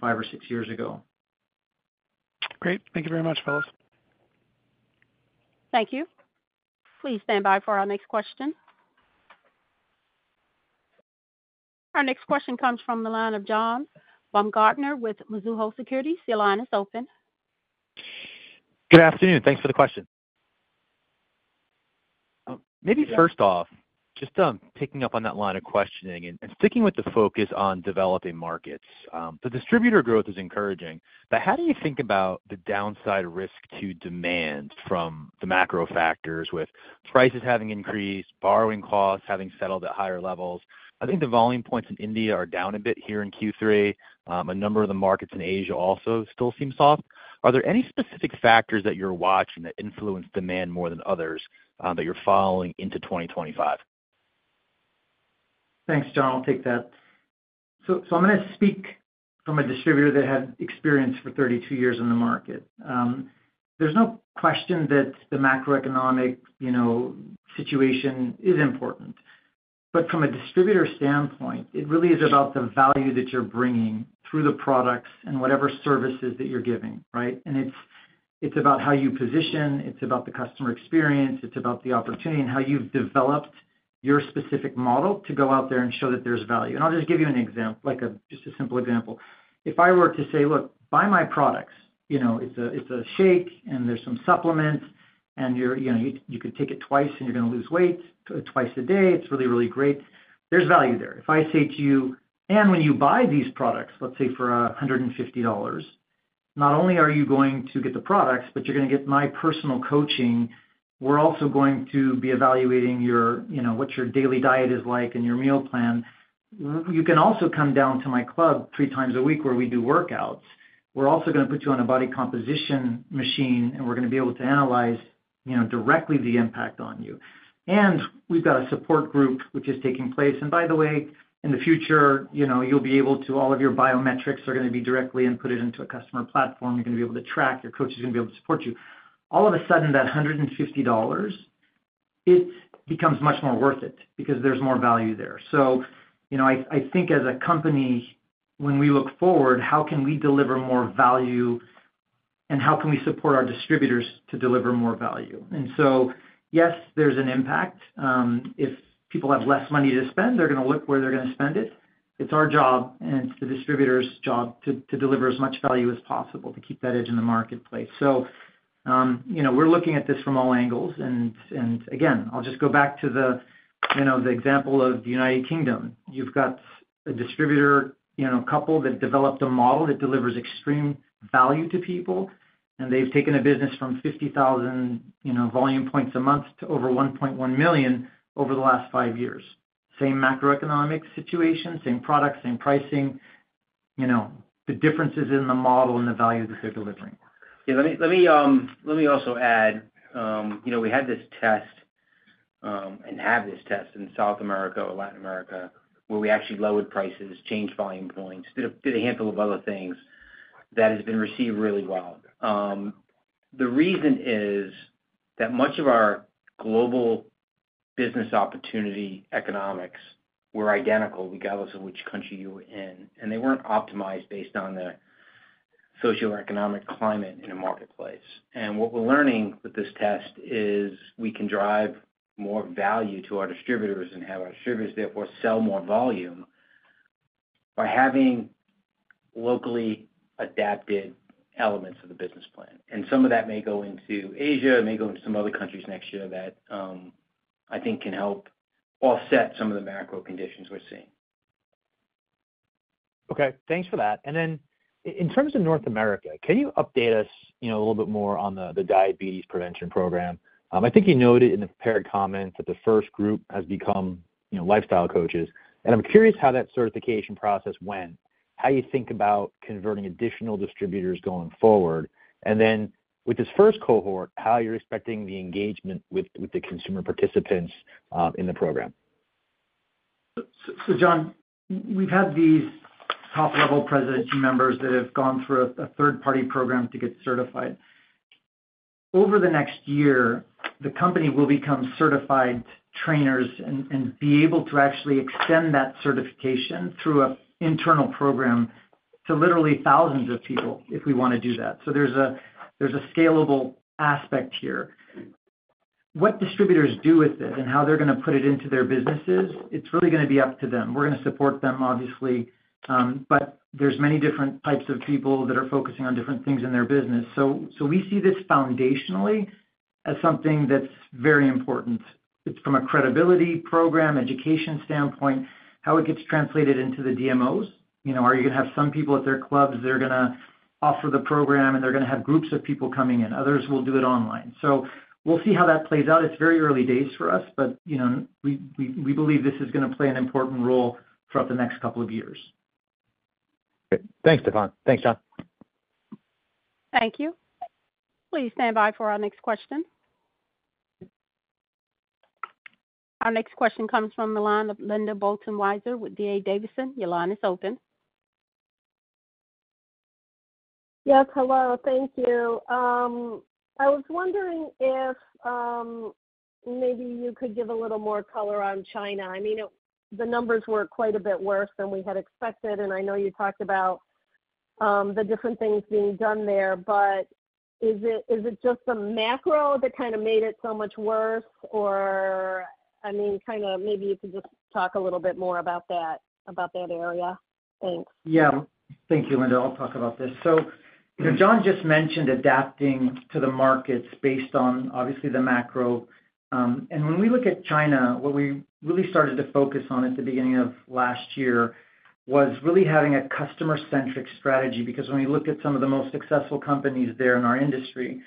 five or six years ago. Great. Thank you very much, fellows. Thank you. Please stand by for our next question. Our next question comes from John Baumgartner with Mizuho Securities. Your line is open. Good afternoon. Thanks for the question. Maybe first off, just picking up on that line of questioning and sticking with the focus on developing markets, the distributor growth is encouraging. But how do you think about the downside risk to demand from the macro factors with prices having increased, borrowing costs having settled at higher levels? I think the Volume Points in India are down a bit here in Q3. A number of the markets in Asia also still seem soft. Are there any specific factors that you're watching that influence demand more than others that you're following into 2025? Thanks, John. I'll take that, so I'm going to speak from a distributor that had experience for 32 years in the market. There's no question that the macroeconomic situation is important, but from a distributor standpoint, it really is about the value that you're bringing through the products and whatever services that you're giving, right? And it's about how you position. It's about the customer experience. It's about the opportunity and how you've developed your specific model to go out there and show that there's value, and I'll just give you an example, just a simple example. If I were to say, "Look, buy my products. It's a shake, and there's some supplements, and you could take it twice, and you're going to lose weight twice a day. It's really, really great." There's value there. If I say to you, "And when you buy these products, let's say for $150, not only are you going to get the products, but you're going to get my personal coaching. We're also going to be evaluating what your daily diet is like and your meal plan. You can also come down to my club three times a week where we do workouts. We're also going to put you on a body composition machine, and we're going to be able to analyze directly the impact on you. And we've got a support group which is taking place. And by the way, in the future, you'll be able to, all of your biometrics are going to be directly inputted into a customer platform. You're going to be able to track. Your coach is going to be able to support you." All of a sudden, that $150, it becomes much more worth it because there's more value there. So I think as a company, when we look forward, how can we deliver more value, and how can we support our distributors to deliver more value? And so, yes, there's an impact. If people have less money to spend, they're going to look where they're going to spend it. It's our job, and it's the distributor's job to deliver as much value as possible to keep that edge in the marketplace. So we're looking at this from all angles. And again, I'll just go back to the example of the United Kingdom. You've got a distributor couple that developed a model that delivers extreme value to people, and they've taken a business from 50,000 Volume Points a month to over 1.1 million over the last five years. Same macroeconomic situation, same products, same pricing. The difference is in the model and the value that they're delivering. Yeah. Let me also add, we had this test and have this test in South America or Latin America where we actually lowered prices, changed Volume Points, did a handful of other things that has been received really well. The reason is that much of our global business opportunity economics were identical regardless of which country you were in, and they weren't optimized based on the socioeconomic climate in a marketplace. And what we're learning with this test is we can drive more value to our distributors and have our distributors, therefore, sell more volume by having locally adapted elements of the business plan. And some of that may go into Asia. It may go into some other countries next year that I think can help offset some of the macro conditions we're seeing. Okay. Thanks for that. And then in terms of North America, can you update us a little bit more on the Diabetes Prevention Program? I think you noted in the prepared comments that the first group has become Lifestyle Coaches. And I'm curious how that certification process went, how you think about converting additional distributors going forward, and then with this first cohort, how you're expecting the engagement with the consumer participants in the program. So John, we've had these top-level presidents and members that have gone through a third-party program to get certified. Over the next year, the company will become certified trainers and be able to actually extend that certification through an internal program to literally thousands of people if we want to do that. So there's a scalable aspect here. What distributors do with it and how they're going to put it into their businesses, it's really going to be up to them. We're going to support them, obviously. But there's many different types of people that are focusing on different things in their business. So we see this foundationally as something that's very important. It's from a credibility program, education standpoint, how it gets translated into the DMOs. Are you going to have some people at their clubs? They're going to offer the program, and they're going to have groups of people coming in. Others will do it online. So we'll see how that plays out. It's very early days for us, but we believe this is going to play an important role throughout the next couple of years. Great. Thanks, Stephan. Thanks, John. Thank you. Please stand by for our next question. Our next question comes from Linda Bolton Weiser with D.A. Davidson. Line is open. Yes. Hello. Thank you. I was wondering if maybe you could give a little more color on China. I mean, the numbers were quite a bit worse than we had expected. And I know you talked about the different things being done there, but is it just the macro that kind of made it so much worse? Or I mean, kind of maybe you could just talk a little bit more about that area. Thanks. Yeah. Thank you, Linda. I'll talk about this. So John just mentioned adapting to the markets based on obviously the macro. And when we look at China, what we really started to focus on at the beginning of last year was really having a customer-centric strategy because when we looked at some of the most successful companies there in our industry,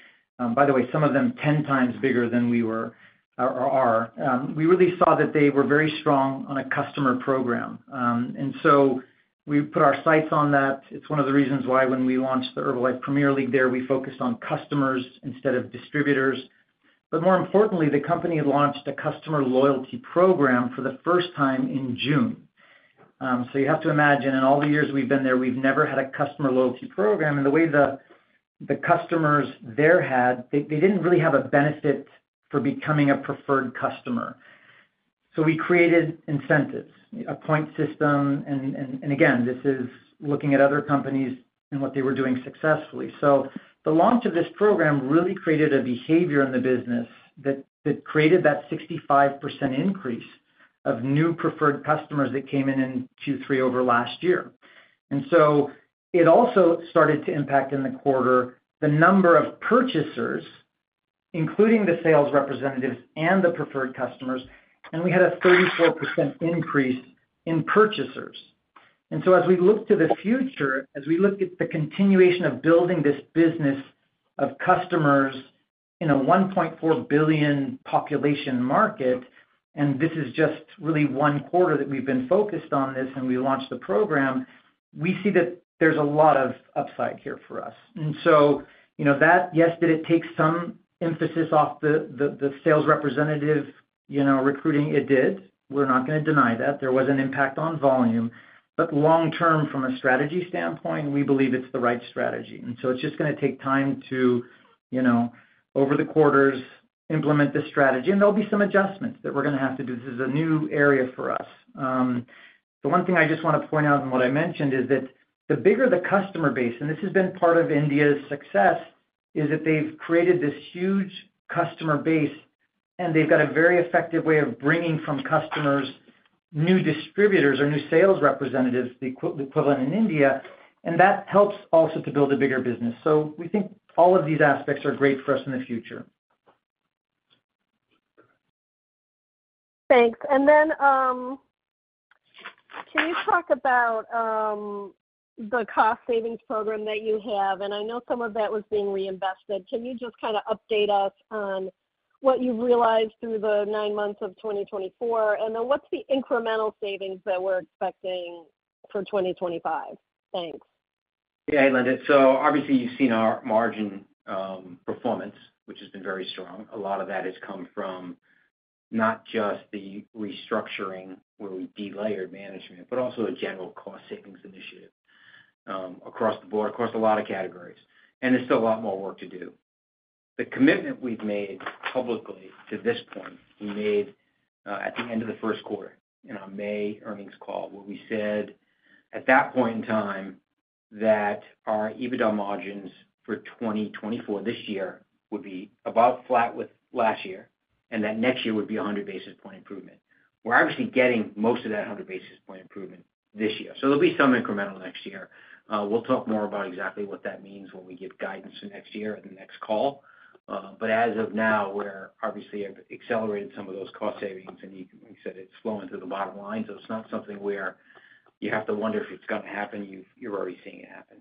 by the way, some of them 10 times bigger than we were or are, we really saw that they were very strong on a customer program. And so we put our sights on that. It's one of the reasons why when we launched the Herbalife Premier League there, we focused on customers instead of distributors. But more importantly, the company launched a customer loyalty program for the first time in June. So you have to imagine, in all the years we've been there, we've never had a customer loyalty program. And the way the customers there had, they didn't really have a benefit for becoming a Preferred Customer. So we created incentives, a point system. And again, this is looking at other companies and what they were doing successfully. So the launch of this program really created a behavior in the business that created that 65% increase of new Preferred Customers that came in in Q3 over last year. And so it also started to impact in the quarter the number of purchasers, including the Sales Representatives and the Preferred Customers. And we had a 34% increase in purchasers. And so, as we look to the future, as we look at the continuation of building this business of customers in a 1.4 billion population market, and this is just really one quarter that we've been focused on this and we launched the program, we see that there's a lot of upside here for us. And so that, yes, did it take some emphasis off the sales representative recruiting? It did. We're not going to deny that. There was an impact on volume. But long-term, from a strategy standpoint, we believe it's the right strategy. And so it's just going to take time to, over the quarters, implement the strategy. And there'll be some adjustments that we're going to have to do. This is a new area for us. The one thing I just want to point out in what I mentioned is that the bigger the customer base, and this has been part of India's success, is that they've created this huge customer base, and they've got a very effective way of bringing from customers new distributors or new Sales Representatives, the equivalent in India. And that helps also to build a bigger business. So we think all of these aspects are great for us in the future. Thanks. And then can you talk about the cost savings program that you have? And I know some of that was being reinvested. Can you just kind of update us on what you've realized through the nine months of 2024? And then what's the incremental savings that we're expecting for 2025? Thanks. Yeah, Linda. So obviously, you've seen our margin performance, which has been very strong. A lot of that has come from not just the restructuring where we delayered management, but also a general cost savings initiative across the board, across a lot of categories. And there's still a lot more work to do. The commitment we've made publicly to this point, we made at the end of the first quarter in our May earnings call, where we said at that point in time that our EBITDA margins for 2024 this year would be about flat with last year, and that next year would be 100 basis point improvement. We're obviously getting most of that 100 basis point improvement this year. So there'll be some incremental next year. We'll talk more about exactly what that means when we give guidance for next year in the next call. But as of now, we're obviously accelerating some of those cost savings. And like I said, it's flowing through the bottom line. So it's not something where you have to wonder if it's going to happen. You're already seeing it happen.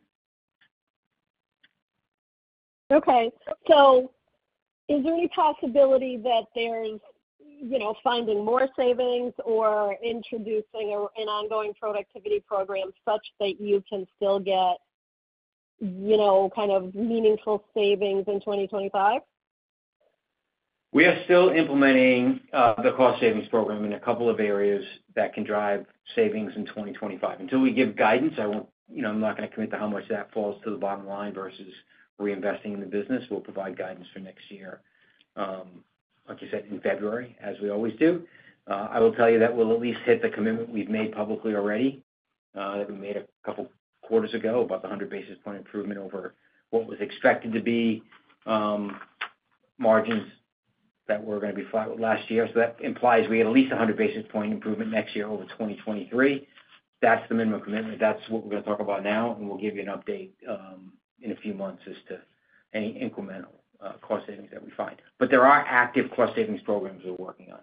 Okay, so is there any possibility that there's finding more savings or introducing an ongoing productivity program such that you can still get kind of meaningful savings in 2025? We are still implementing the cost savings program in a couple of areas that can drive savings in 2025. Until we give guidance, I'm not going to commit to how much that falls to the bottom line versus reinvesting in the business. We'll provide guidance for next year, like I said, in February, as we always do. I will tell you that we'll at least hit the commitment we've made publicly already that we made a couple of quarters ago, about the 100 basis points improvement over what was expected to be margins that were going to be flat with last year. So that implies we had at least 100 basis points improvement next year over 2023. That's the minimum commitment. That's what we're going to talk about now. We'll give you an update in a few months as to any incremental cost savings that we find. But there are active cost savings programs we're working on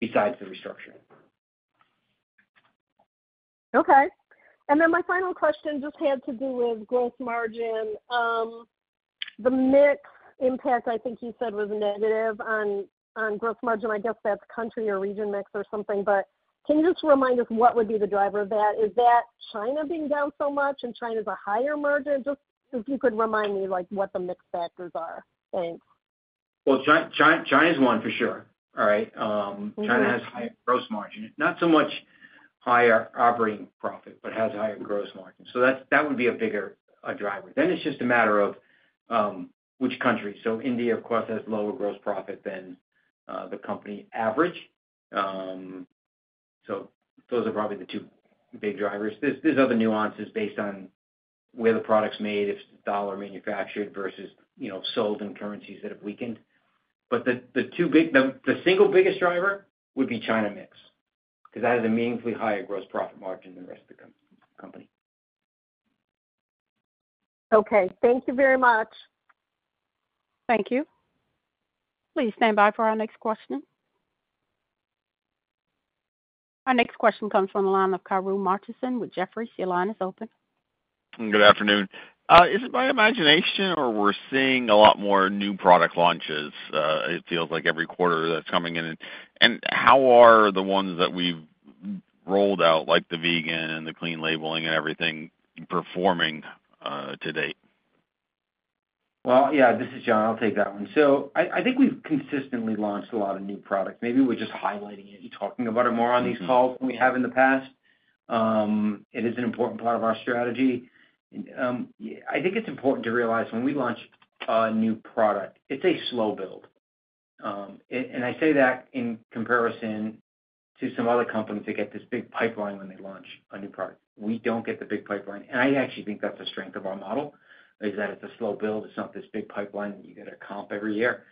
besides the restructuring. Okay, and then my final question just had to do with gross margin. The mix impact, I think you said was negative on gross margin. I guess that's country or region mix or something, but can you just remind us what would be the driver of that? Is that China being down so much and China's a higher margin? Just if you could remind me what the mixed factors are. Thanks. China's one for sure. All right. China has higher gross margin. Not so much higher operating profit, but has higher gross margin. So that would be a bigger driver. Then it's just a matter of which country. So India, of course, has lower gross profit than the company average. So those are probably the two big drivers. There's other nuances based on where the product's made, if it's dollar manufactured versus sold in currencies that have weakened. But the single biggest driver would be China mix because that has a meaningfully higher gross profit margin than the rest of the company. Okay. Thank you very much. Thank you. Please stand by for our next question. Our next question comes from Karru Martinson with Jefferies. Your line is open. Good afternoon. Is it my imagination or we're seeing a lot more new product launches? It feels like every quarter that's coming in. And how are the ones that we've rolled out, like the vegan and the clean labeling and everything, performing to date? Yeah, this is John. I'll take that one. I think we've consistently launched a lot of new products. Maybe we're just highlighting it and talking about it more on these calls than we have in the past. It is an important part of our strategy. I think it's important to realize when we launch a new product, it's a slow build. I say that in comparison to some other companies that get this big pipeline when they launch a new product. We don't get the big pipeline. I actually think that's a strength of our model is that it's a slow build. It's not this big pipeline that you got to comp every year.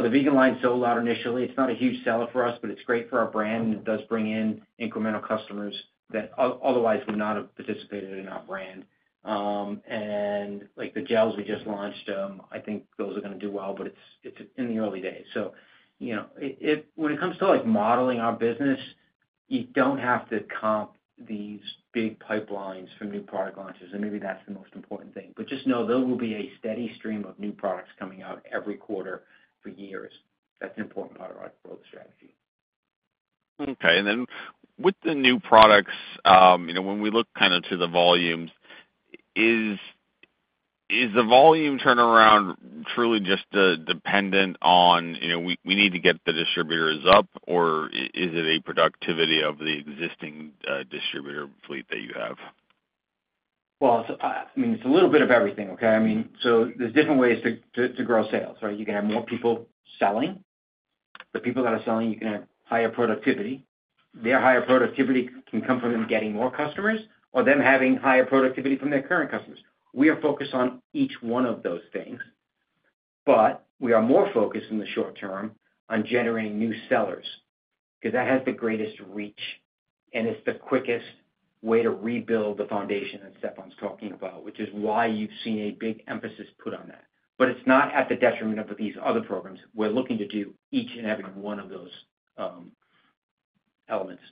The vegan line sold out initially. It's not a huge seller for us, but it's great for our brand. And it does bring in incremental customers that otherwise would not have participated in our brand. And the gels we just launched, I think those are going to do well, but it's in the early days. So when it comes to modeling our business, you don't have to comp these big pipelines for new product launches. And maybe that's the most important thing. But just know there will be a steady stream of new products coming out every quarter for years. That's an important part of our growth strategy. Okay. With the new products, when we look kind of to the volumes, is the volume turnaround truly just dependent on we need to get the distributors up, or is it a productivity of the existing distributor fleet that you have? I mean, it's a little bit of everything, okay? I mean, so there's different ways to grow sales, right? You can have more people selling. The people that are selling, you can have higher productivity. Their higher productivity can come from them getting more customers or them having higher productivity from their current customers. We are focused on each one of those things. But we are more focused in the short term on generating new sellers because that has the greatest reach. And it's the quickest way to rebuild the foundation that Stephan's talking about, which is why you've seen a big emphasis put on that. But it's not at the detriment of these other programs. We're looking to do each and every one of those elements.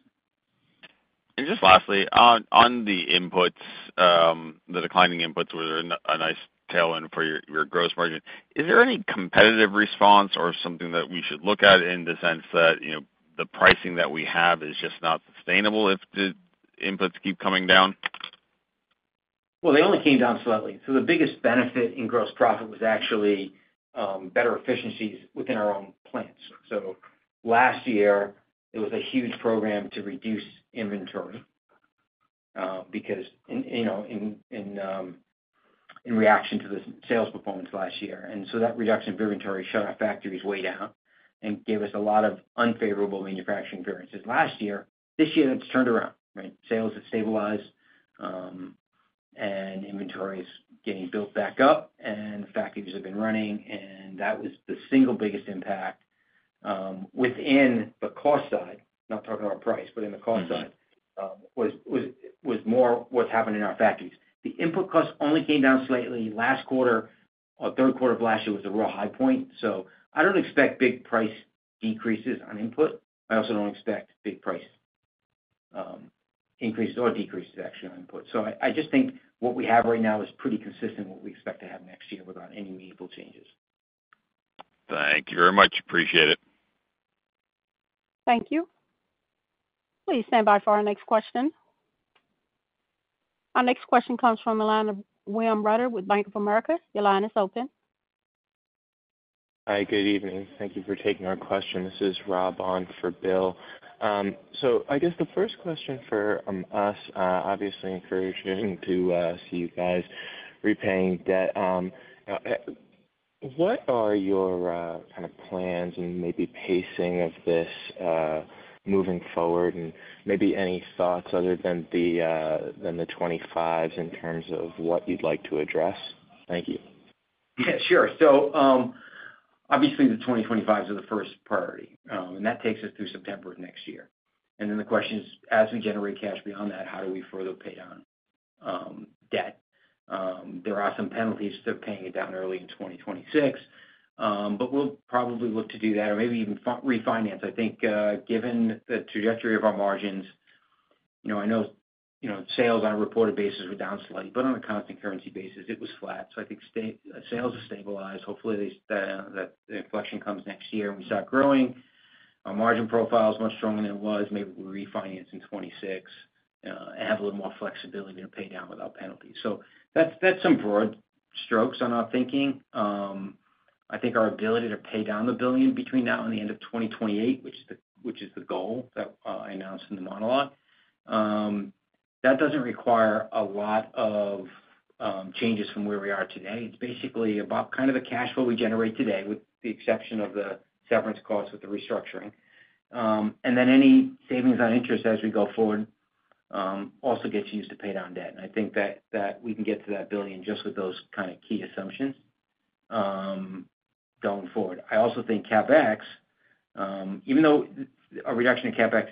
Just lastly, on the inputs, the declining inputs were a nice tail end for your gross margin. Is there any competitive response or something that we should look at in the sense that the pricing that we have is just not sustainable if the inputs keep coming down? They only came down slightly. The biggest benefit in gross profit was actually better efficiencies within our own plants. Last year, it was a huge program to reduce inventory in reaction to the sales performance last year. So that reduction of inventory shut our factories way down and gave us a lot of unfavorable manufacturing variances. Last year, this year, it's turned around, right? Sales have stabilized, and inventory is getting built back up, and factories have been running. That was the single biggest impact within the cost side, not talking about price, but in the cost side, was more what's happened in our factories. The input costs only came down slightly last quarter. Third quarter of last year was a real high point. I don't expect big price increases on input. I also don't expect big price increases or decreases, actually, on input. So I just think what we have right now is pretty consistent with what we expect to have next year without any meaningful changes. Thank you very much. Appreciate it. Thank you. Please stand by for our next question. Our next question comes from William Reuter with Bank of America. Your line is open. Hi, good evening. Thank you for taking our question. This is Rob on for Bill. So I guess the first question for us, obviously encouraging to see you guys repaying debt. What are your kind of plans and maybe pacing of this moving forward and maybe any thoughts other than the '25s in terms of what you'd like to address? Thank you. Yeah, sure. So obviously, the 2025s are the first priority. And that takes us through September of next year. And then the question is, as we generate cash beyond that, how do we further pay down debt? There are some penalties to paying it down early in 2026, but we'll probably look to do that or maybe even refinance. I think given the trajectory of our margins, I know sales on a reported basis were down slightly, but on a constant currency basis, it was flat. So I think sales have stabilized. Hopefully, the inflection comes next year and we start growing. Our margin profile is much stronger than it was. Maybe we refinance in 2026 and have a little more flexibility to pay down without penalties. So that's some broad strokes on our thinking. I think our ability to pay down the $1 billion between now and the end of 2028, which is the goal that I announced in the monologue, that doesn't require a lot of changes from where we are today. It's basically about kind of the cash flow we generate today with the exception of the severance costs with the restructuring, and then any savings on interest as we go forward also gets used to pay down debt. And I think that we can get to that $1 billion just with those kind of key assumptions going forward. I also think CapEx, even though a reduction in CapEx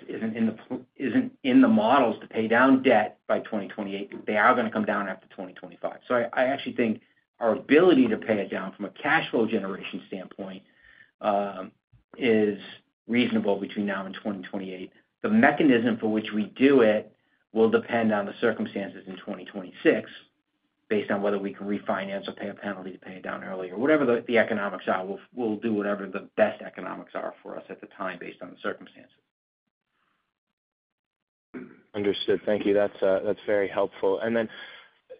isn't in the models to pay down debt by 2028, they are going to come down after 2025. So I actually think our ability to pay it down from a cash flow generation standpoint is reasonable between now and 2028. The mechanism for which we do it will depend on the circumstances in 2026 based on whether we can refinance or pay a penalty to pay it down early or whatever the economics are. We'll do whatever the best economics are for us at the time based on the circumstances. Understood. Thank you. That's very helpful. And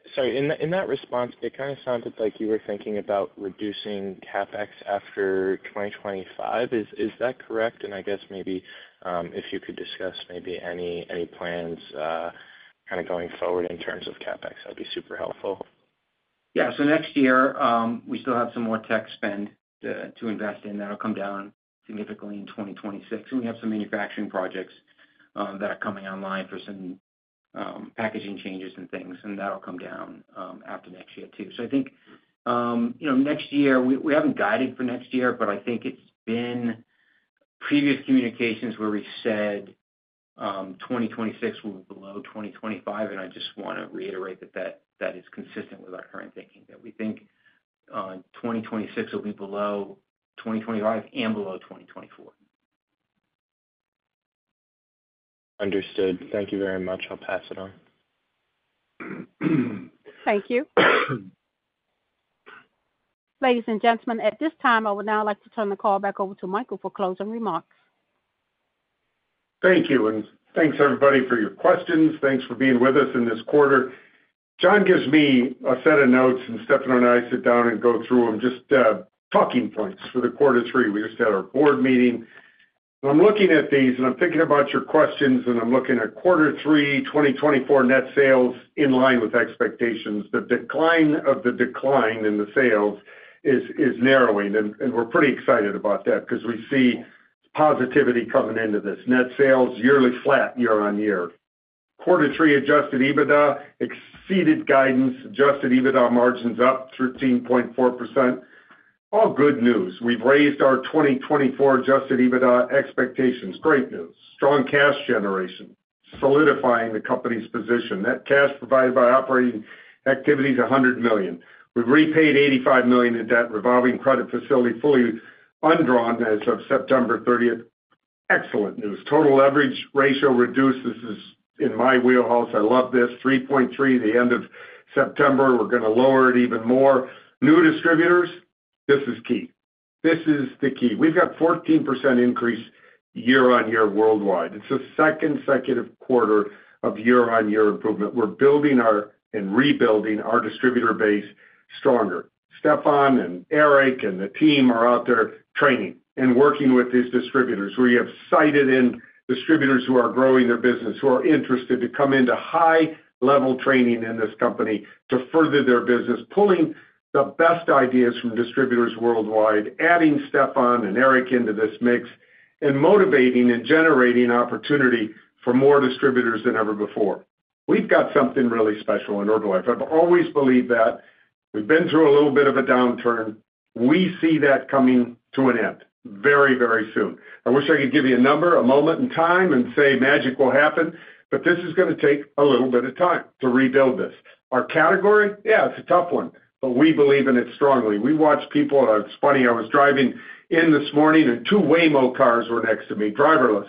then, sorry, in that response, it kind of sounded like you were thinking about reducing CapEx after 2025. Is that correct? And I guess maybe if you could discuss maybe any plans kind of going forward in terms of CapEx, that'd be super helpful. Yeah. So next year, we still have some more tech spend to invest in that'll come down significantly in 2026. And we have some manufacturing projects that are coming online for some packaging changes and things. And that'll come down after next year too. So I think next year, we haven't guided for next year, but I think it's been previous communications where we've said 2026 will be below 2025. And I just want to reiterate that that is consistent with our current thinking, that we think 2026 will be below 2025 and below 2024. Understood. Thank you very much. I'll pass it on. Thank you. Ladies and gentlemen, at this time, I would now like to turn the call back over to Michael for closing remarks. Thank you and thanks, everybody, for your questions. Thanks for being with us in this quarter. John gives me a set of notes, and Stephan and I sit down and go through them, just talking points for the quarter three. We just had our board meeting. I'm looking at these, and I'm thinking about your questions, and I'm looking at quarter three, 2024 net sales in line with expectations. The decline of the decline in the sales is narrowing, and we're pretty excited about that because we see positivity coming into this. Net sales yearly flat year on year. Quarter three Adjusted EBITDA exceeded guidance. Adjusted EBITDA margins up 13.4%. All good news. We've raised our 2024 Adjusted EBITDA expectations. Great news. Strong cash generation, solidifying the company's position. Net cash provided by operating activities, $100 million. We've repaid $85 million in debt. Revolving credit facility fully undrawn as of September 30th. Excellent news. Total leverage ratio reduced. This is in my wheelhouse. I love this. 3.3 at the end of September. We're going to lower it even more. New distributors, this is key. This is the key. We've got 14% increase year on year worldwide. It's the second consecutive quarter of year on year improvement. We're building and rebuilding our distributor base stronger. Stephan and Eric and the team are out there training and working with these distributors where you have sighted in distributors who are growing their business, who are interested to come into high-level training in this company to further their business, pulling the best ideas from distributors worldwide, adding Stephan and Eric into this mix, and motivating and generating opportunity for more distributors than ever before. We've got something really special in Herbalife. I've always believed that. We've been through a little bit of a downturn. We see that coming to an end very, very soon. I wish I could give you a number, a moment, and time and say magic will happen, but this is going to take a little bit of time to rebuild this. Our category, yeah, it's a tough one, but we believe in it strongly. We watch people. It's funny. I was driving in this morning, and two Waymo cars were next to me, driverless.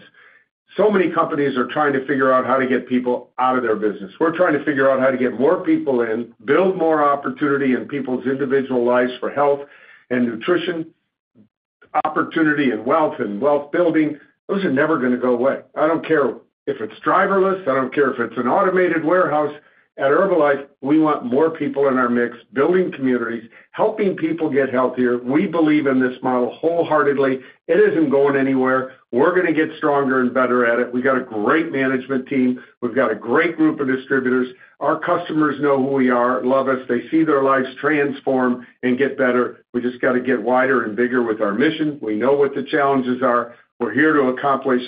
So many companies are trying to figure out how to get people out of their business. We're trying to figure out how to get more people in, build more opportunity in people's individual lives for health and nutrition, opportunity and wealth and wealth building. Those are never going to go away. I don't care if it's driverless. I don't care if it's an automated warehouse. At Herbalife, we want more people in our mix, building communities, helping people get healthier. We believe in this model wholeheartedly. It isn't going anywhere. We're going to get stronger and better at it. We've got a great management team. We've got a great group of distributors. Our customers know who we are, love us. They see their lives transform and get better. We just got to get wider and bigger with our mission. We know what the challenges are. We're here to accomplish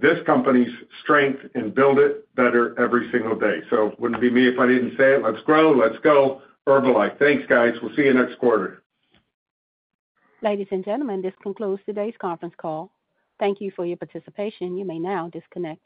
this company's strength and build it better every single day. So it wouldn't be me if I didn't say it. Let's grow. Let's go. Herbalife. Thanks, guys. We'll see you next quarter. Ladies and gentlemen, this concludes today's conference call. Thank you for your participation. You may now disconnect.